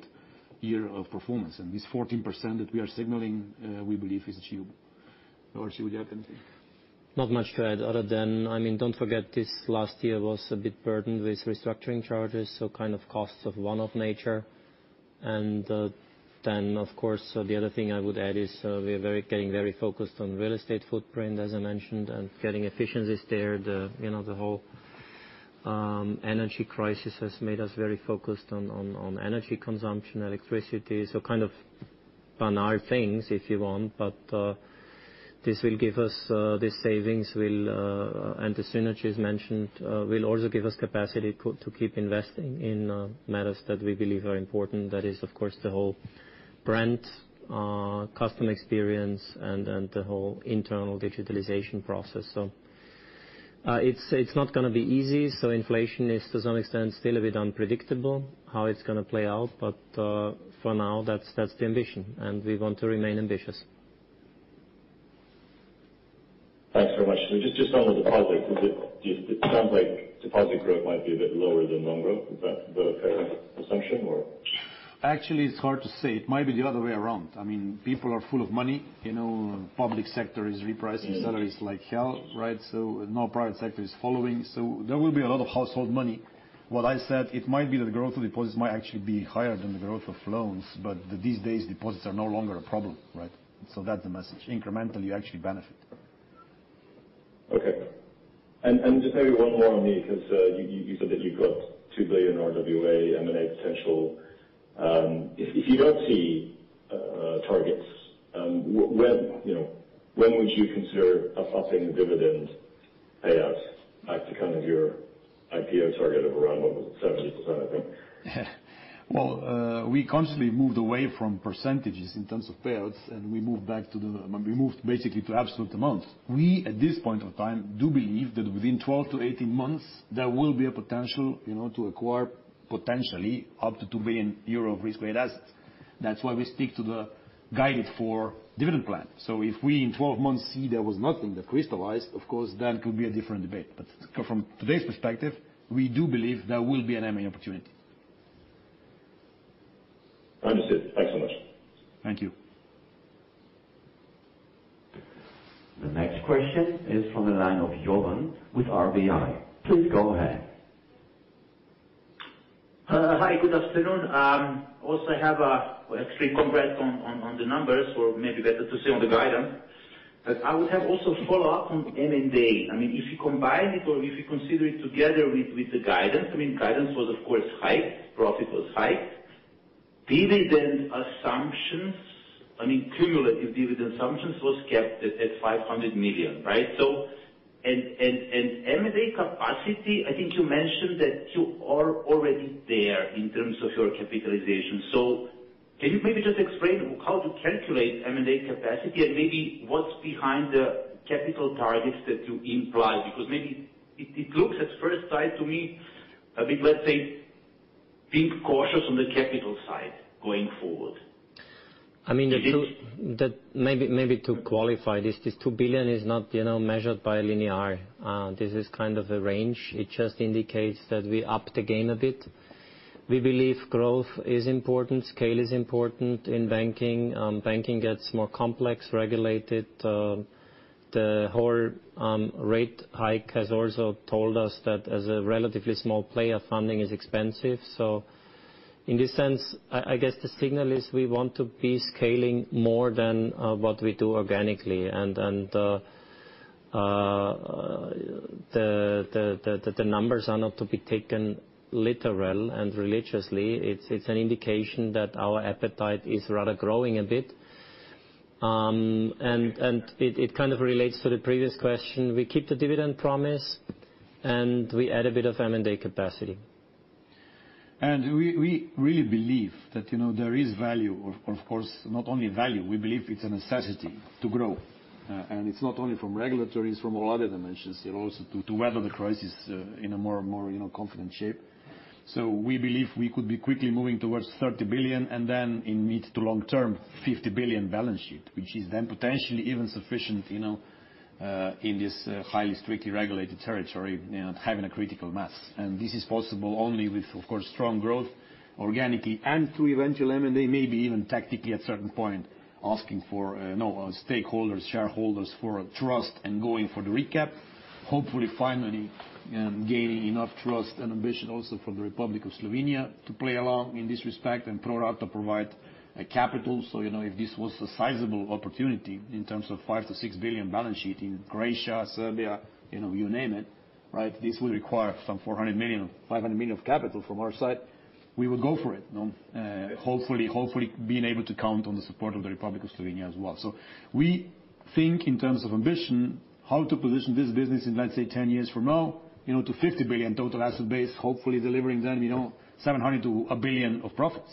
year of performance. This 14% that we are signaling, we believe is achievable. Would you add anything? Not much to add other than, I mean, don't forget this last year was a bit burdened with restructuring charges, so kind of costs of one-off nature. Then, of course, the other thing I would add is, we are getting very focused on real estate footprint, as I mentioned, and getting efficiencies there. The, you know, the whole energy crisis has made us very focused on energy consumption, electricity. kind of banal things, if you want, but this will give us, these savings will, and the synergies mentioned, will also give us capacity to keep investing in matters that we believe are important. That is, of course, the whole brand, customer experience, and then the whole internal digitalization process. it's not gonna be easy. Inflation is to some extent still a bit unpredictable, how it's gonna play out. For now, that's the ambition, and we want to remain ambitious. Thanks very much. just on the deposit, it sounds like deposit growth might be a bit lower than loan growth. Is that the fair assumption, or? Actually, it's hard to say. It might be the other way around. I mean, people are full of money. You know, public sector is repricing salaries like hell, right? Now private sector is following. There will be a lot of household money. What I said, it might be that the growth of deposits might actually be higher than the growth of loans, but these days, deposits are no longer a problem, right? That's the message. Incrementally, you actually benefit. Okay. Just maybe one more on me, cause you said that you've got 2 billion RWA, M&A potential. If you don't see targets, when, you know, when would you consider a puffing dividend payout back to kind of your IPO target of around, what was it, 70%, I think? Well, we constantly moved away from percentages in terms of payouts, we moved basically to absolute amounts. We, at this point of time, do believe that within 12 to 18 months, there will be a potential, you know, to acquire potentially up to 2 billion euro of risk rate assets. That's why we stick to the guidance for dividend plan. If we in 12 months see there was nothing that crystallized, of course, then could be a different debate. From today's perspective, we do believe there will be an M&A opportunity. Understood. Thanks so much. Thank you. The next question is from the line of Jovan with RBI. Please go ahead. Hi, good afternoon. Also I have actually congrats on the numbers or maybe better to say on the guidance. I would have also follow up on M&A. I mean, if you combine it or if you consider it together with the guidance, I mean, guidance was of course high, profit was high. Dividend assumptions, I mean, cumulative dividend assumptions was kept at 500 million, right? And M&A capacity, I think you mentioned that you are already there in terms of your capitalization. Can you maybe just explain how to calculate M&A capacity and maybe what's behind the capital targets that you implied? Maybe it looks at first sight to me a bit, let's say, being cautious on the capital side going forward. I mean, Did it- That maybe to qualify this 2 billion is not, you know, measured by linear. This is kind of a range. It just indicates that we upped the game a bit. We believe growth is important, scale is important in banking. Banking gets more complex, regulated. The whole rate hike has also told us that as a relatively small player, funding is expensive. In this sense, I guess the signal is we want to be scaling more than what we do organically. The numbers are not to be taken literal and religiously. It's an indication that our appetite is rather growing a bit. It kind of relates to the previous question. We keep the dividend promise, and we add a bit of M&A capacity. We really believe that, you know, there is value of course, not only value, we believe it's a necessity to grow. It's not only from regulatory, it's from all other dimensions, you know, to weather the crisis in a more, more, you know, confident shape. We believe we could be quickly moving towards 30 billion and then in mid to long term, 50 billion balance sheet, which is then potentially even sufficient, you know, in this highly strictly regulated territory, you know, having a critical mass. This is possible only with of course, strong growth organically and through eventual M&A, maybe even tactically at certain point, asking for, you know, stakeholders, shareholders for trust and going for the recap. Hopefully finally, gaining enough trust and ambition also from the Republic of Slovenia to play along in this respect and pro rata provide capital. You know, if this was a sizable opportunity in terms of 5 billion-6 billion balance sheet in Croatia, Serbia, you know, you name it, right? This would require some 400 million, 500 million of capital from our side. We would go for it, you know. Hopefully being able to count on the support of the Republic of Slovenia as well. We think in terms of ambition, how to position this business in, let's say, 10 years from now, you know, to 50 billion total asset base, hopefully delivering then, you know, 700 million to 1 billion of profits.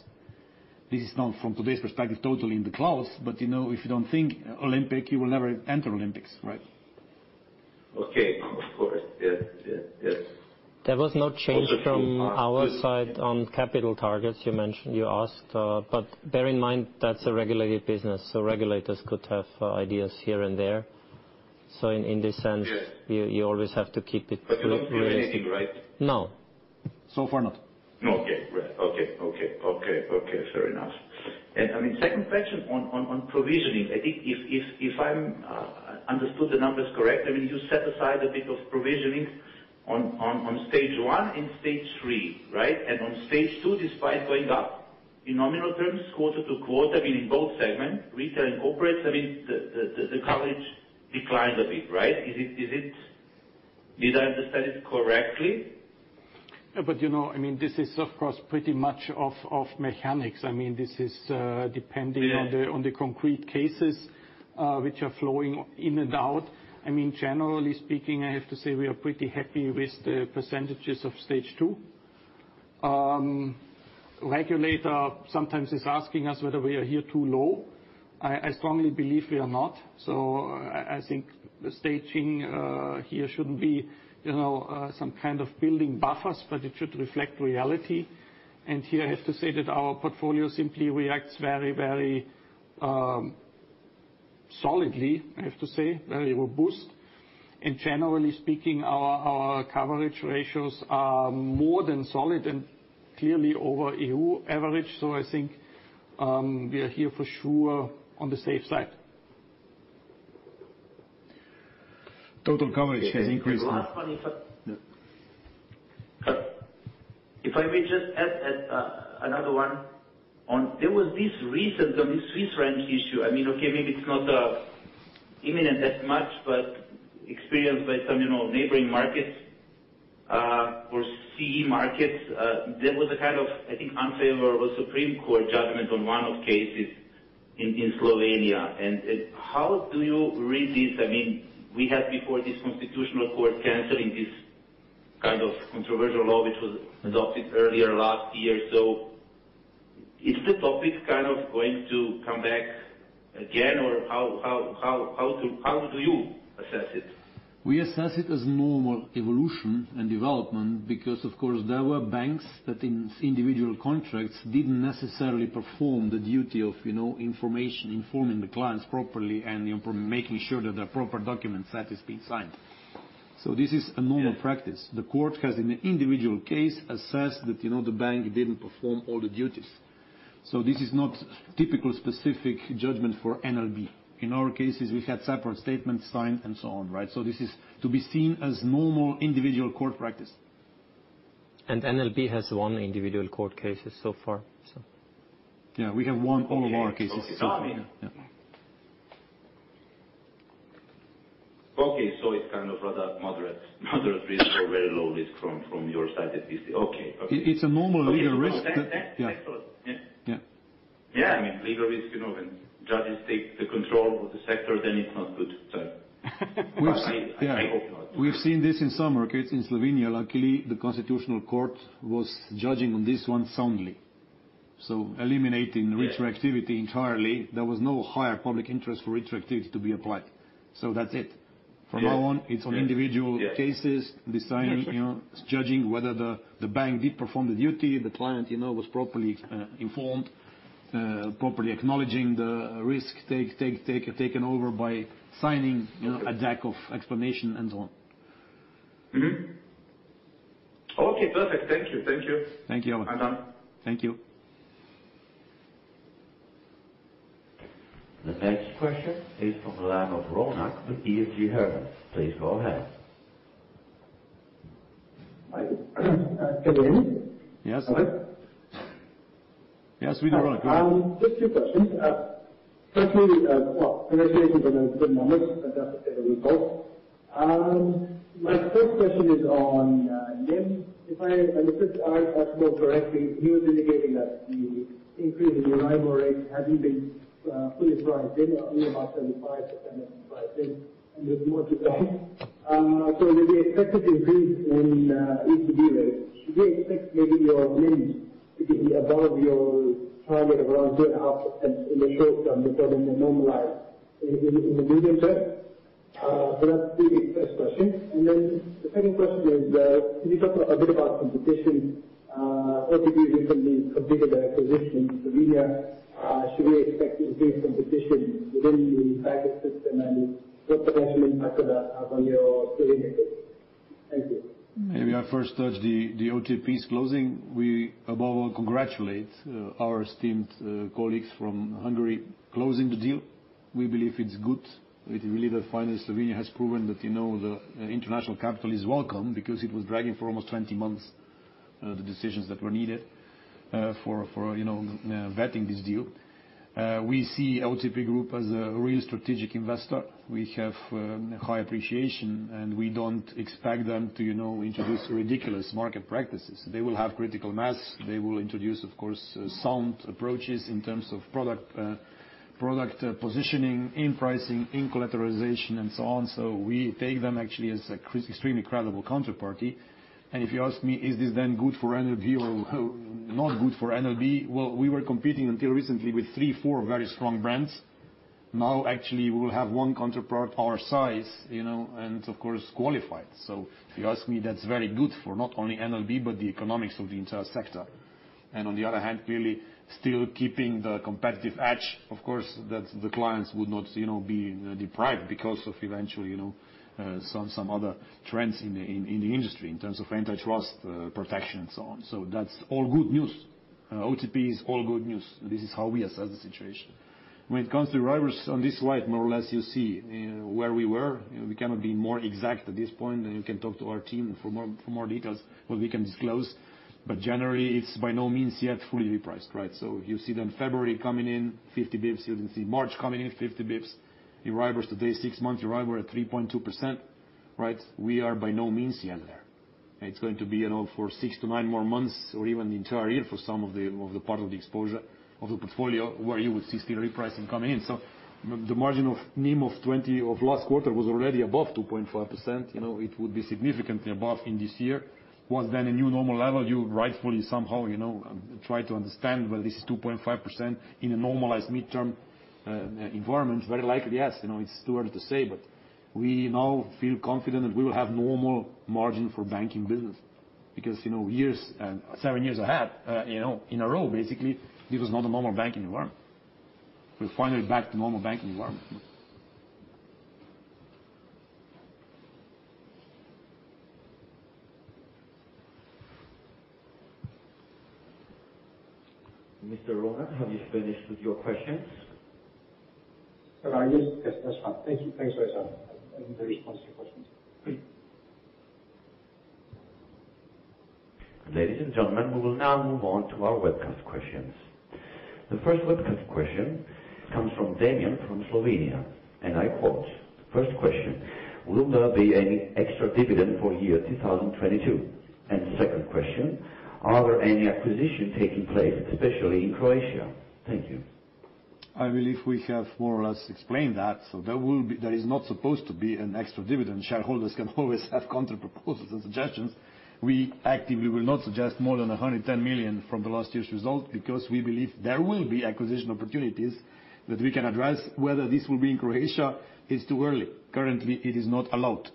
This is not from today's perspective, totally in the clouds, but you know, if you don't think Olympic, you will never enter Olympics, right? Okay. Of course. Yes. Yes. Yes. There was no change from our side on capital targets you mentioned, you asked. Bear in mind, that's a regulated business, so regulators could have ideas here and there. In this sense. Yes. You always have to keep it. You don't see anything, right? No. Far not. Okay. Great. Okay. Okay. Okay. Okay. Fair enough. I mean, second question on provisioning. I think if I'm understood the numbers correctly, I mean, you set aside a bit of provisioning on Stage 1 and Stage 3, right? On Stage 2, despite going up in nominal terms quarter-to-quarter, I mean, in both segments, retail and corporate, I mean, the coverage declined a bit, right? Did I understand it correctly? you know, I mean, this is of course pretty much of mechanics. Yes. On the concrete cases, which are flowing in and out. I mean, generally speaking, I have to say we are pretty happy with the percentages of Stage 2. Regulator sometimes is asking us whether we are here too low. I strongly believe we are not. I think the staging here shouldn't be, you know, some kind of building buffers, but it should reflect reality. Here I have to say that our portfolio simply reacts very, very solidly, I have to say, very robust. Generally speaking, our coverage ratios are more than solid and clearly over EU average. I think we are here for sure on the safe side. Total coverage has increased. The last one, if I. Yeah. If I may just add another one on, there was this recent on this Swiss franc issue. I mean, okay, maybe it's not imminent as much, but experienced by some, you know, neighboring markets, or CE markets. There was a kind of, I think, unfavorable Supreme Court judgment on one of cases in Slovenia. How do you read this? I mean, we had before this Constitutional Court canceling this kind of controversial law, which was adopted earlier last year. Is the topic kind of going to come back again? How, how, how do you assess it? We assess it as normal evolution and development because of course there were banks that in individual contracts didn't necessarily perform the duty of, you know, information, informing the clients properly and, you know, making sure that the proper document set is being signed. This is a normal practice. Yeah. The court has an individual case assessed that, you know, the bank didn't perform all the duties. This is not typical specific judgment for NLB. In our cases, we had separate statements signed and so on, right? This is to be seen as normal individual court practice. NLB has won individual court cases so far, so. Yeah, we have won all of our cases so far. Yeah. Okay. It's kind of rather moderate risk or very low risk from your side, at least. Okay. It's a normal legal risk. Okay. No, that. I thought. Yeah. Yeah. Yeah. I mean, legal risk, you know, when judges take the control of the sector, then it's not good. I hope not. We've seen this in some markets in Slovenia. Luckily, the constitutional court was judging on this one soundly. Eliminating retroactivity entirely, there was no higher public interest for retroactivity to be applied. That's it. Yes. Yes. From now on, it's on individual cases, deciding, you know, judging whether the bank did perform the duty, the client, you know, was properly informed, properly acknowledging the risk taken over by signing, you know, a deck of explanation and so on. Okay, perfect. Thank you. Thank you. Thank you. I'm done. Thank you. The next question is from the line of Ronak with ICG. Please go ahead. Hi. Can you hear me? Yes. Hello. Yes, we can, Ronak. Go on. Just two questions. Firstly, well, congratulations on the good moment. Fantastic set of results. My first question is on NIM. If I understood Art Athbone correctly, you were indicating that the increase in your IBOR rate hadn't been fully priced in, only about 75% priced in. There's more to come. With the expected increase in ECB rates, should we expect maybe your NIM to be above your target of around 2.5 in the short term before they normalize in the medium term? That's really the first question. The second question is, can you talk a bit about competition, OTP recently completed their acquisition in Slovenia. Should we expect increased competition within the package system and what's the eventual impact of that on your savings? Thank you. Maybe I first touch OTP's closing. We above all congratulate our esteemed colleagues from Hungary closing the deal. We believe it's good. We believe that finally Slovenia has proven that, you know, the international capital is welcome because it was dragging for almost 20 months, the decisions that were needed for, you know, vetting this deal. We see OTP Group as a real strategic investor. We have high appreciation, and we don't expect them to, you know, introduce ridiculous market practices. They will have critical mass. They will introduce, of course, sound approaches in terms of product positioning, in pricing, in collateralization and so on. We take them actually as a extremely credible counterparty. If you ask me, is this then good for NLB or not good for NLB? Well, we were competing until recently with 3, 4 very strong brands. Actually, we will have 1 counterpart our size, you know, and of course, qualified. If you ask me, that's very good for not only NLB, but the economics of the entire sector. On the other hand, clearly still keeping the competitive edge, of course, that the clients would not, you know, be deprived because of eventually, you know, some other trends in the industry in terms of antitrust protection and so on. That's all good news. OTP is all good news. This is how we assess the situation. When it comes to arrivals on this slide, more or less, you see where we were. We cannot be more exact at this point. You can talk to our team for more details, what we can disclose. Generally, it's by no means yet fully repriced, right? You see February coming in, 50 bps. You can see March coming in, 50 bps. Euribor today, 6 months arrival, we're at 3.2%, right? We are by no means yet there. It's going to be, you know, for 6-9 more months or even the entire year for some of the part of the exposure of the portfolio where you would see still repricing coming in. The margin of NIM of last quarter was already above 2.5%. You know, it would be significantly above in this year. What's a new normal level, you rightfully somehow, you know, try to understand, well, this is 2.5% in a normalized midterm environment. Very likely, yes. You know, it's too early to say, but we now feel confident that we will have normal margin for banking business because, you know, years and seven years ahead, you know, in a row, basically, it was not a normal banking environment. We're finally back to normal banking environment. Mr. Ronak, have you finished with your questions? Yes, that's fine. Thank you. Thanks very much. I'm very responsive questions. Ladies and gentlemen, we will now move on to our webcast questions. The first webcast question comes from Damian from Slovenia. I quote. First question: Will there be any extra dividend for year 2022? Second question: Are there any acquisitions taking place, especially in Croatia? Thank you. I believe we have more or less explained that. There is not supposed to be an extra dividend. Shareholders can always have counter proposals and suggestions. We actively will not suggest more than 110 million from the last year's result because we believe there will be acquisition opportunities that we can address. Whether this will be in Croatia, it's too early. Currently, it is not allowed.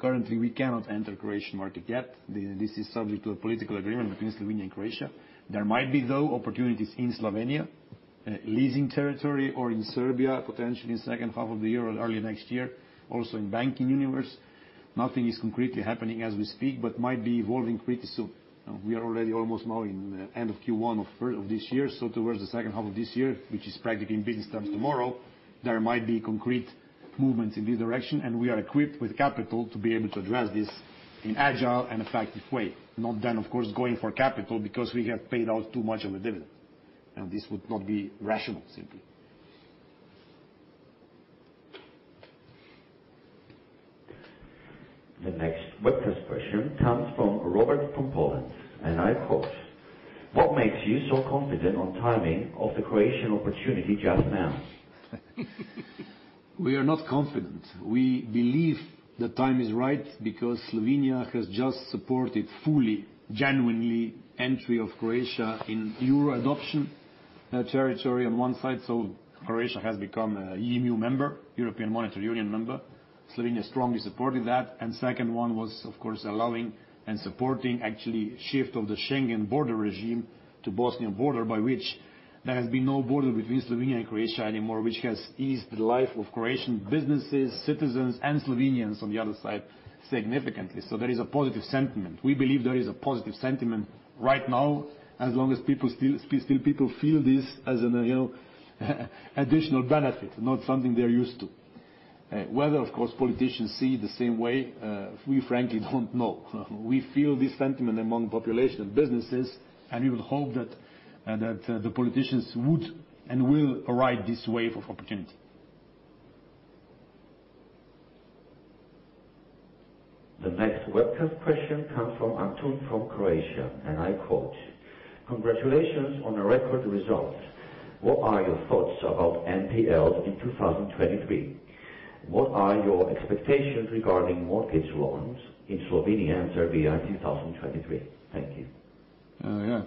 Currently, we cannot enter Croatian market yet. This is subject to a political agreement between Slovenia and Croatia. There might be, though, opportunities in Slovenia, leasing territory or in Serbia, potentially in second half of the year or early next year, also in banking universe. Nothing is concretely happening as we speak, but might be evolving pretty soon. You know, we are already almost now in the end of Q1 of this year, so towards the second half of this year, which is practically in business terms, tomorrow, there might be concrete movements in this direction, and we are equipped with capital to be able to address this in agile and effective way. Not then, of course, going for capital because we have paid out too much of a dividend. This would not be rational, simply. The next webcast question comes from Robert from Poland, and I quote, "What makes you so confident on timing of the Croatian opportunity just now? We are not confident. We believe the time is right because Slovenia has just supported fully, genuinely, entry of Croatia in euro adoption, territory on one side. Croatia has become a EMU member, European Monetary Union member. Slovenia strongly supported that. Second one was, of course, allowing and supporting actually shift of the Schengen border regime to Bosnian border, by which there has been no border between Slovenia and Croatia anymore, which has eased the life of Croatian businesses, citizens and Slovenians on the other side significantly. There is a positive sentiment. We believe there is a positive sentiment right now, as long as people still feel this as an, you know, additional benefit, not something they're used to. Whether, of course, politicians see the same way, we frankly don't know. We feel this sentiment among population and businesses. We would hope that the politicians would and will ride this wave of opportunity. The next webcast question comes from Antun from Croatia, and I quote, "Congratulations on a record result. What are your thoughts about NPLs in 2023? What are your expectations regarding mortgage loans in Slovenia and Serbia in 2023? Thank you. Yeah.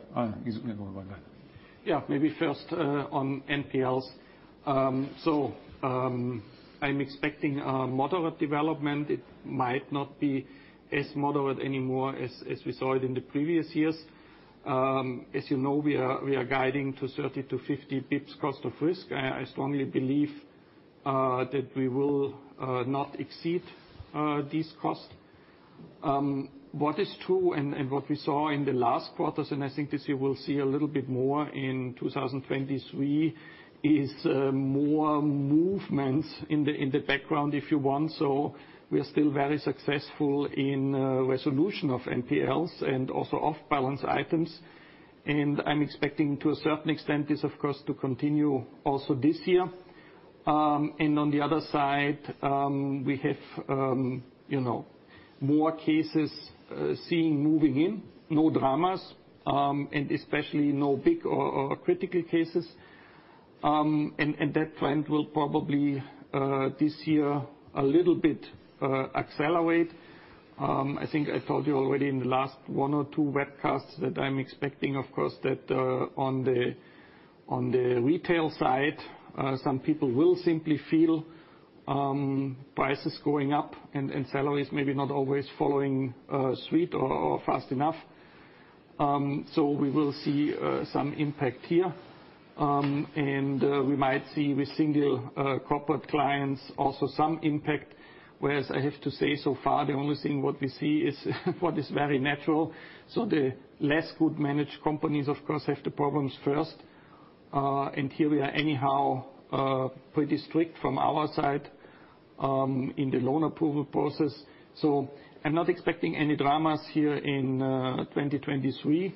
You can go about that. Maybe first on NPLs. I'm expecting a moderate development. It might not be as moderate anymore as we saw it in the previous years. As you know, we are guiding to 30-50 bps cost of risk. I strongly believe that we will not exceed this cost. What is true and what we saw in the last quarters, and I think this year we'll see a little bit more in 2023, is more movements in the background, if you want. We are still very successful in resolution of NPLs and also off-balance items. I'm expecting, to a certain extent, this, of course, to continue also this year. On the other side, we have, you know, more cases seeing moving in, no dramas, and especially no big or critical cases. That trend will probably this year a little bit accelerate. I think I told you already in the last 1 or 2 webcasts that I'm expecting, of course, that on the retail side, some people will simply feel prices going up and salaries maybe not always following suit or fast enough. We will see some impact here. We might see with single corporate clients also some impact, whereas I have to say so far, the only thing what we see is what is very natural. The less good managed companies, of course, have the problems first. Here we are anyhow, pretty strict from our side, in the loan approval process. I'm not expecting any dramas here in 2023.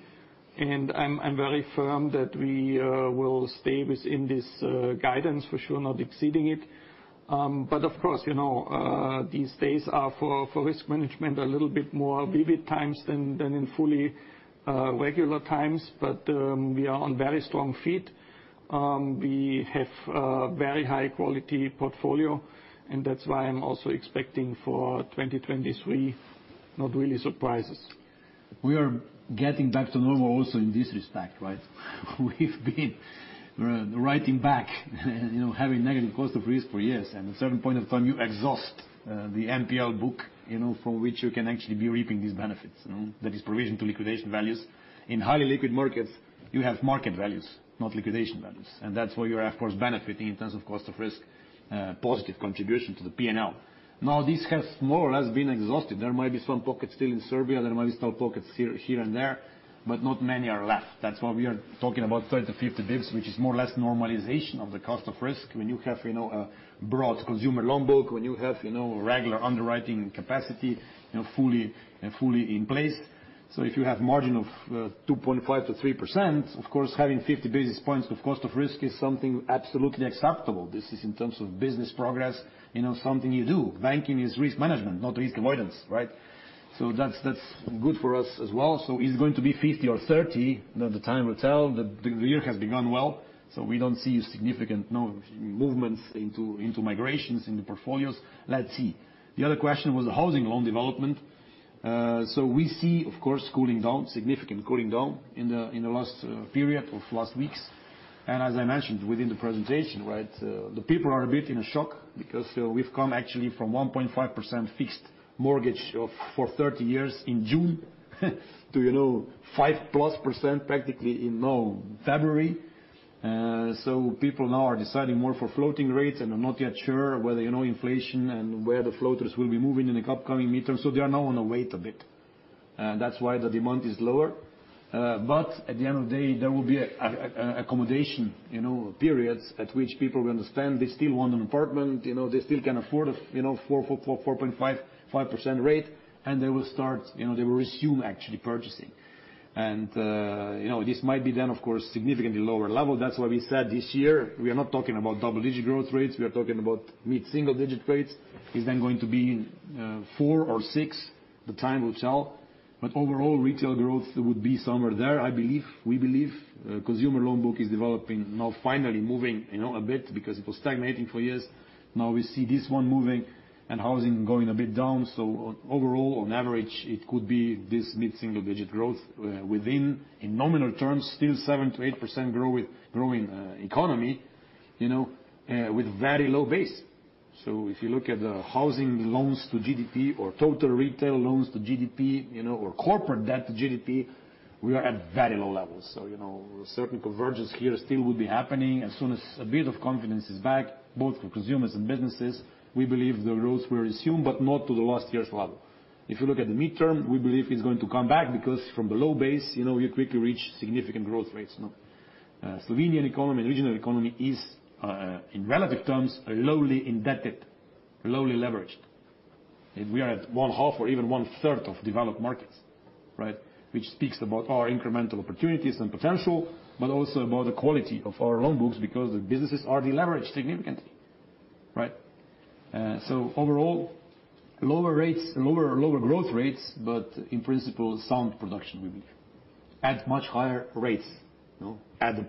I'm very firm that we will stay within this guidance, for sure not exceeding it. Of course, you know, these days are for risk management a little bit more vivid times than in fully regular times. We are on very strong feet. We have a very high quality portfolio, and that's why I'm also expecting for 2023, not really surprises. We are getting back to normal also in this respect, right? We've been writing back, you know, having negative cost of risk for years. At certain point of time, you exhaust the NPL book, you know, from which you can actually be reaping these benefits, you know. That is provision to liquidation values. In highly liquid markets, you have market values, not liquidation values. That's where you're of course benefiting in terms of cost of risk, positive contribution to the P&L. Now, this has more or less been exhausted. There might be some pockets still in Serbia. There might be some pockets here and there, but not many are left. That's why we are talking about 30 to 50 bps, which is more or less normalization of the cost of risk. When you have, you know, a broad consumer loan book, when you have, you know, regular underwriting capacity, you know, fully in place. If you have margin of 2.5%-3%, of course, having 50 basis points of cost of risk is something absolutely acceptable. This is in terms of business progress, you know, something you do. Banking is risk management, not risk avoidance, right? That's good for us as well. It's going to be 50 or 30. The time will tell. The year has begun well, we don't see significant, no movements into migrations in the portfolios. Let's see. The other question was the housing loan development. We see, of course, cooling down, significant cooling down in the last period of last weeks. As I mentioned within the presentation, right, the people are a bit in a shock because we've come actually from 1.5% fixed mortgage of for 30 years in June to, you know, 5%+ practically in now February. People now are deciding more for floating rates, and are not yet sure whether, you know, inflation and where the floaters will be moving in the upcoming midterm. They are now on a wait a bit. At the end of the day, there will be a accommodation, you know, periods at which people will understand they still want an apartment, you know, they still can afford, you know, 4.5%, 5% rate, and they will start. You know, they will resume actually purchasing. You know, this might be then, of course, significantly lower level. That's why we said this year, we are not talking about double-digit growth rates. We are talking about mid-single digit rates. Is then going to be, 4 or 6, the time will tell. Overall, retail growth would be somewhere there, I believe, we believe. Consumer loan book is developing now, finally moving, you know, a bit because it was stagnating for years. Now we see this one moving and housing going a bit down. Overall, on average, it could be this mid-single digit growth, within in nominal terms, still 7%-8% grow with growing, economy, you know, with very low base. If you look at the housing loans to GDP or total retail loans to GDP, you know, or corporate debt to GDP, we are at very low levels. You know, certain convergence here still will be happening as soon as a bit of confidence is back, both for consumers and businesses. We believe the growth will resume, but not to the last year's level. If you look at the midterm, we believe it's going to come back because from the low base, you know, you quickly reach significant growth rates. No? Slovenian economy and regional economy is in relative terms, a lowly indebted, lowly leveraged. We are at one half or even one-third of developed markets, right? Which speaks about our incremental opportunities and potential, but also about the quality of our loan books because the businesses are deleveraged significantly, right? Overall, lower rates, lower growth rates, but in principle, sound production, we believe, at much higher rates, you know, at the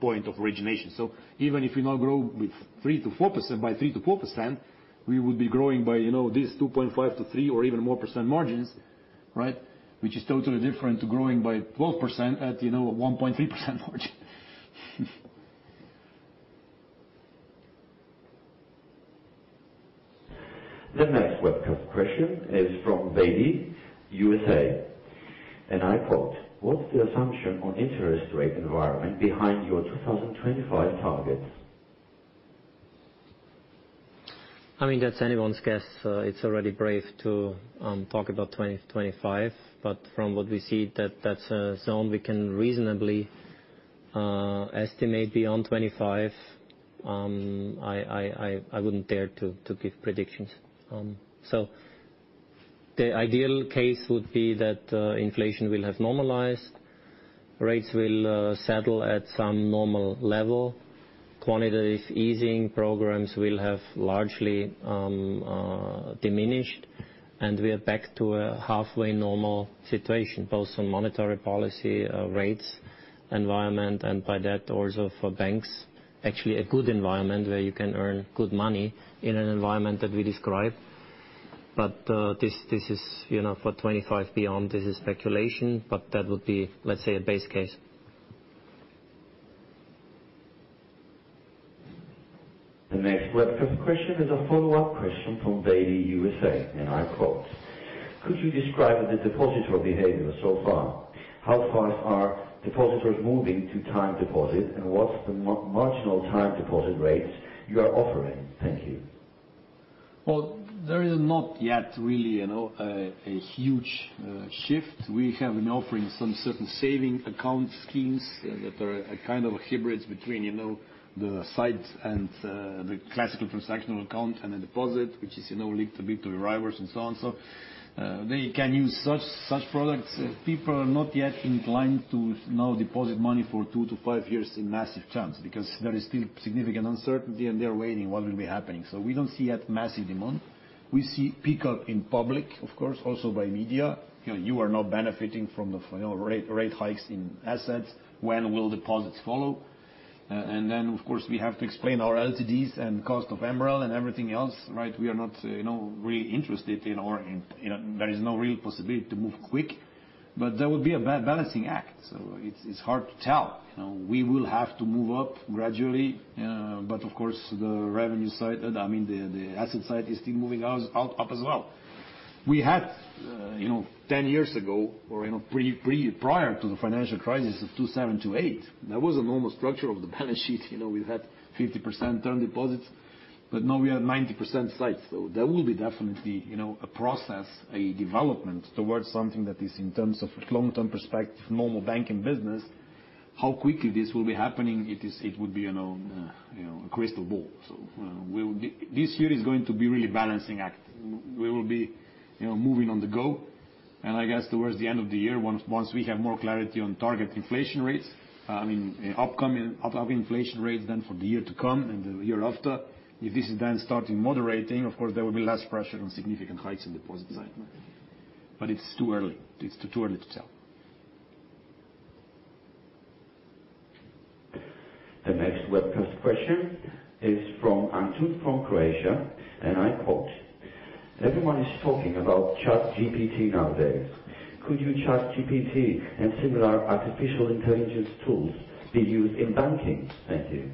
point of origination. Even if you now grow with 3%-4%, by 3%-4%, we would be growing by, you know, this 2.5%-3% or even more percent margins, right? Which is totally different to growing by 12% at, you know, a 1.3% margin. The next webcast question is from Daly USA, and I quote, "What's the assumption on interest rate environment behind your 2025 targets? I mean, that's anyone's guess. It's already brave to talk about 2025, from what we see that's a zone we can reasonably estimate beyond 25, I wouldn't dare to give predictions. The ideal case would be that inflation will have normalized, rates will settle at some normal level. Quantitative easing programs will have largely diminished, we are back to a halfway normal situation, both on monetary policy, rates, environment, and by that also for banks. Actually a good environment where you can earn good money in an environment that we describe. This is, you know, for 25 beyond, this is speculation, that would be, let's say, a base case. The next webcast question is a follow-up question from Daly USA. I quote, "Could you describe the depositor behavior so far? How far are depositors moving to time deposit, and what's the marginal time deposit rates you are offering? Thank you. Well, there is not yet really, you know, a huge shift. We have been offering some certain saving account schemes that are a kind of hybrids between, you know, the sites and the classical transactional account and a deposit, which is, you know, linked a bit to arrivals and so on. They can use such products. People are not yet inclined to now deposit money for 2-5 years in massive terms, because there is still significant uncertainty and they're waiting what will be happening. We don't see yet massive demand. We see pickup in public, of course, also by media. You know, you are not benefiting from the, you know, rate hikes in assets. When will deposits follow? Of course, we have to explain our LTDs and cost of MREL and everything else, right? We are not, you know, really interested in or. There is no real possibility to move quick. There will be a balancing act, so it's hard to tell. We will have to move up gradually. Of course, the revenue side. I mean, the asset side is still moving up as well. We had, you know, 10 years ago or, you know, prior to the financial crisis of 2007, 2008, there was a normal structure of the balance sheet. You know, we had 50% term deposits. Now we have 90% sites. There will be definitely, you know, a process, a development towards something that is in terms of long-term perspective, normal banking business. How quickly this will be happening, it would be, you know, a crystal ball. We'll be. This year is going to be really balancing act. We will be, you know, moving on the go. I guess towards the end of the year, once we have more clarity on target inflation rates, I mean upcoming inflation rates then for the year to come and the year after, if this is then starting moderating, of course, there will be less pressure on significant heights in deposit side. It's too early. It's too early to tell. The next webcast question is from Antun from Croatia, and I quote, "Everyone is talking about ChatGPT nowadays. Could you ChatGPT and similar artificial intelligence tools be used in banking? Thank you.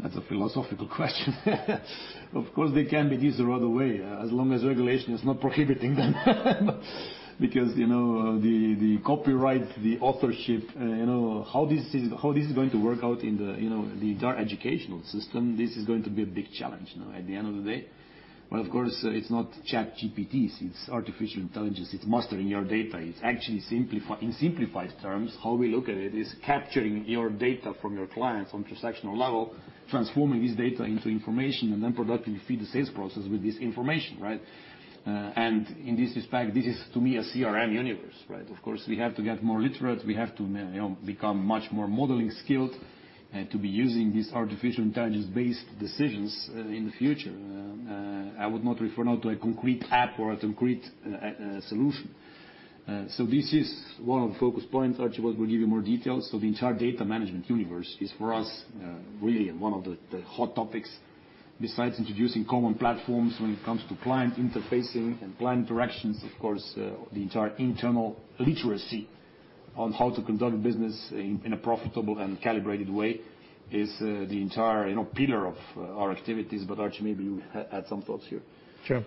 That's a philosophical question. Of course, they can be used the other way, as long as regulation is not prohibiting them. Because, you know, the copyright, the authorship, you know, how this is going to work out in the entire educational system, this is going to be a big challenge, you know, at the end of the day. Of course, it's not ChatGPT, it's artificial intelligence. It's mastering your data. It's actually in simplified terms, how we look at it is capturing your data from your clients on transactional level, transforming this data into information and then productively feed the sales process with this information, right? In this respect, this is to me a CRM universe, right? Of course, we have to get more literate. We have to, you know, become much more modeling skilled, to be using these artificial intelligence-based decisions in the future. I would not refer now to a concrete app or a concrete solution. This is one of the focus points. Arči will give you more details. The entire data management universe is for us, really one of the hot topics besides introducing common platforms when it comes to client interfacing and client directions. Of course, the entire internal literacy on how to conduct business in a profitable and calibrated way is, you know, the entire pillar of our activities. Arči, maybe you had some thoughts here. Sure.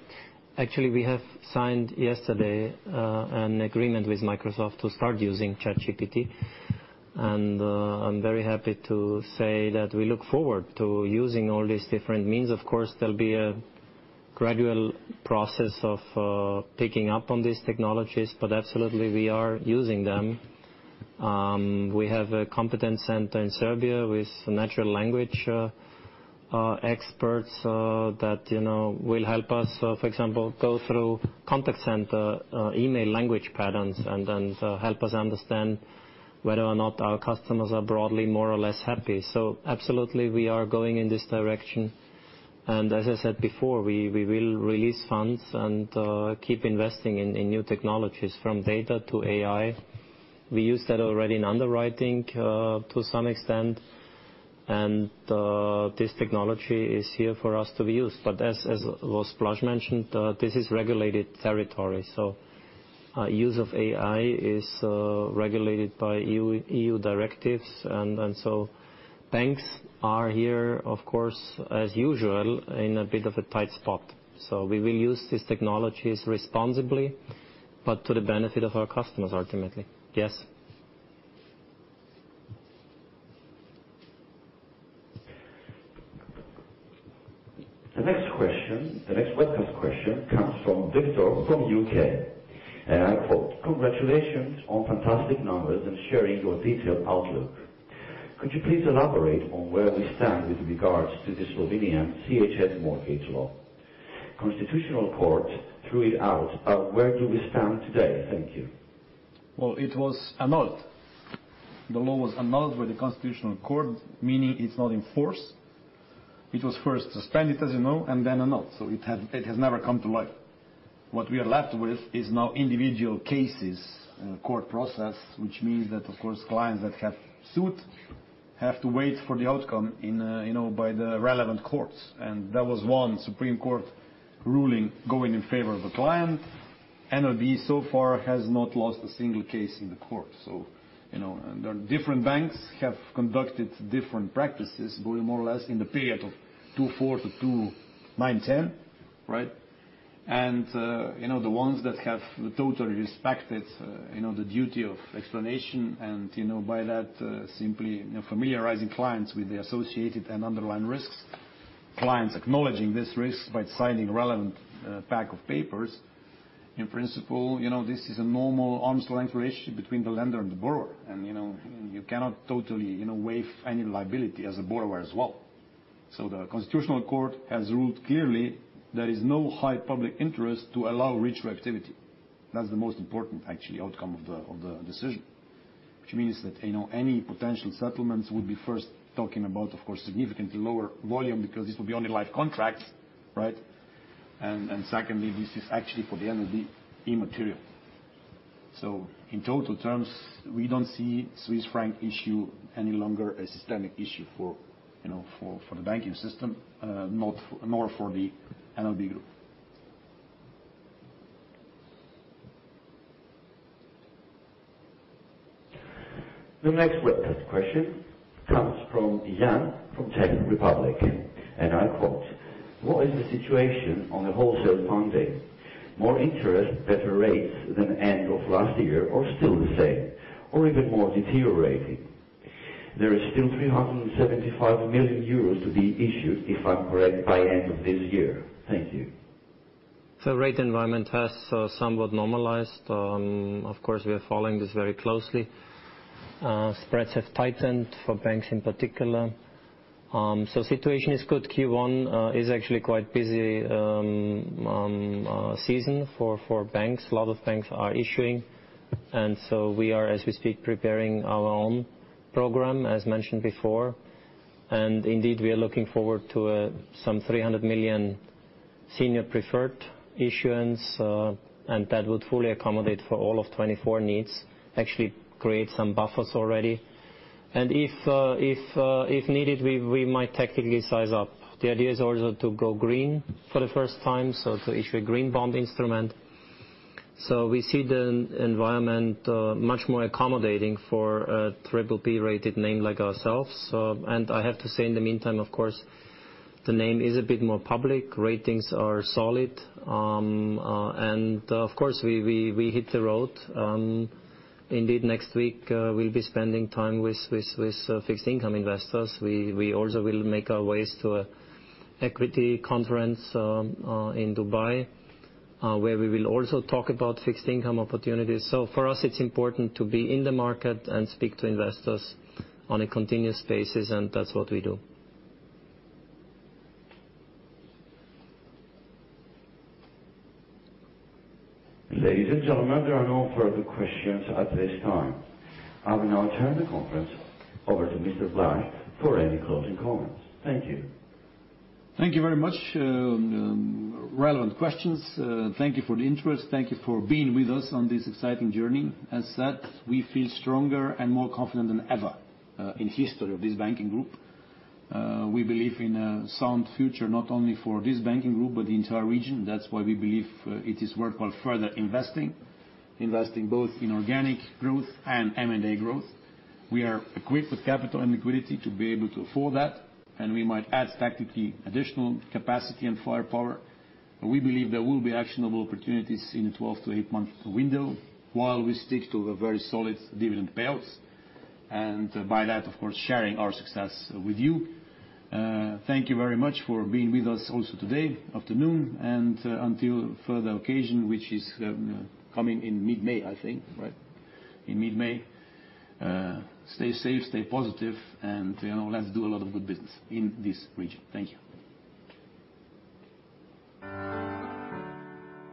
Actually, we have signed yesterday, an agreement with Microsoft to start using ChatGPT. I'm very happy to say that we look forward to using all these different means. Of course, there'll be a gradual process of picking up on these technologies, but absolutely, we are using them. We have a competence center in Serbia with natural language experts that, you know, will help us, for example, go through contact center email language patterns and then help us understand whether or not our customers are broadly more or less happy. Absolutely, we are going in this direction. As I said before, we will release funds and keep investing in new technologies from data to AI. We use that already in underwriting to some extent, and this technology is here for us to be used. As was Blaž mentioned, this is regulated territory, so use of AI is regulated by EU directives and so banks are here, of course, as usual, in a bit of a tight spot. We will use these technologies responsibly, but to the benefit of our customers, ultimately. Yes. The next question, the next webcast question comes from Victor from U.K., and I quote, "Congratulations on fantastic numbers and sharing your detailed outlook. Could you please elaborate on where we stand with regards to the Slovenian SZ-1 mortgage law? Constitutional Court threw it out. Where do we stand today? Thank you. Well, it was annulled. The law was annulled by the Constitutional Court, meaning it's not in force. It was first suspended, as you know, and then annulled, so It has never come to life. What we are left with is now individual cases, court process, which means that, of course, clients that have sued have to wait for the outcome in, you know, by the relevant courts. There was 1 Supreme Court ruling going in favor of the client. NLB so far has not lost a 1 case in the court. You know, there are different banks have conducted different practices going more or less in the period of 2004-2010, right? You know, the ones that have totally respected, you know, the duty of explanation and, you know, by that, simply, you know, familiarizing clients with the associated and underlying risks, clients acknowledging this risk by signing relevant pack of papers. In principle, you know, this is a normal arm's length relationship between the lender and the borrower, and, you know, you cannot totally, you know, waive any liability as a borrower as well. The Constitutional Court has ruled clearly there is no high public interest to allow retroactivity. That's the most important, actually, outcome of the decision, which means that, you know, any potential settlements would be first talking about, of course, significantly lower volume because this will be only live contracts, right? Secondly, this is actually for the NLB immaterial. In total terms, we don't see Swiss franc issue any longer a systemic issue for, you know, for the banking system, Nor for the NLB Group. The next webcast question comes from Jan from Czech Republic, and I quote, "What is the situation on the wholesale funding? More interest, better rates than end of last year or still the same or even more deteriorating? There is still 375 million euros to be issued, if I'm correct, by end of this year. Thank you. Rate environment has somewhat normalized. Of course, we are following this very closely. Spreads have tightened for banks in particular. Situation is good. Q1 is actually quite busy season for banks. A lot of banks are issuing, we are, as we speak, preparing our own program, as mentioned before. Indeed, we are looking forward to some 300 million senior preferred issuance, and that would fully accommodate for all of 2024 needs, actually create some buffers already. If needed, we might technically size up. The idea is also to go green for the first time, so to issue a green bond instrument. We see the environment much more accommodating for a BBB-rated name like ourselves. I have to say in the meantime, of course, the name is a bit more public. Ratings are solid. Of course, we hit the road. Indeed next week, we'll be spending time with fixed income investors. We also will make our ways to an equity conference in Dubai, where we will also talk about fixed income opportunities. For us it's important to be in the market and speak to investors on a continuous basis, and that's what we do. Ladies and gentlemen, there are no further questions at this time. I will now turn the conference over to Mr. Blaž Brodnjak for any closing comments. Thank you. Thank you very much. Relevant questions. Thank you for the interest. Thank you for being with us on this exciting journey. As said, we feel stronger and more confident than ever, in history of this banking group. We believe in a sound future, not only for this banking group, but the entire region. That's why we believe, it is worthwhile further investing both in organic growth and M&A growth. We are equipped with capital and liquidity to be able to afford that, we might add tactically additional capacity and firepower. We believe there will be actionable opportunities in a 12 to 8-month window, while we stick to a very solid dividend payouts. By that, of course, sharing our success with you. Thank you very much for being with us also today, afternoon, and until further occasion, which is coming in mid-May, I think, right? In mid-May. Stay safe, stay positive and, you know, let's do a lot of good business in this region. Thank you.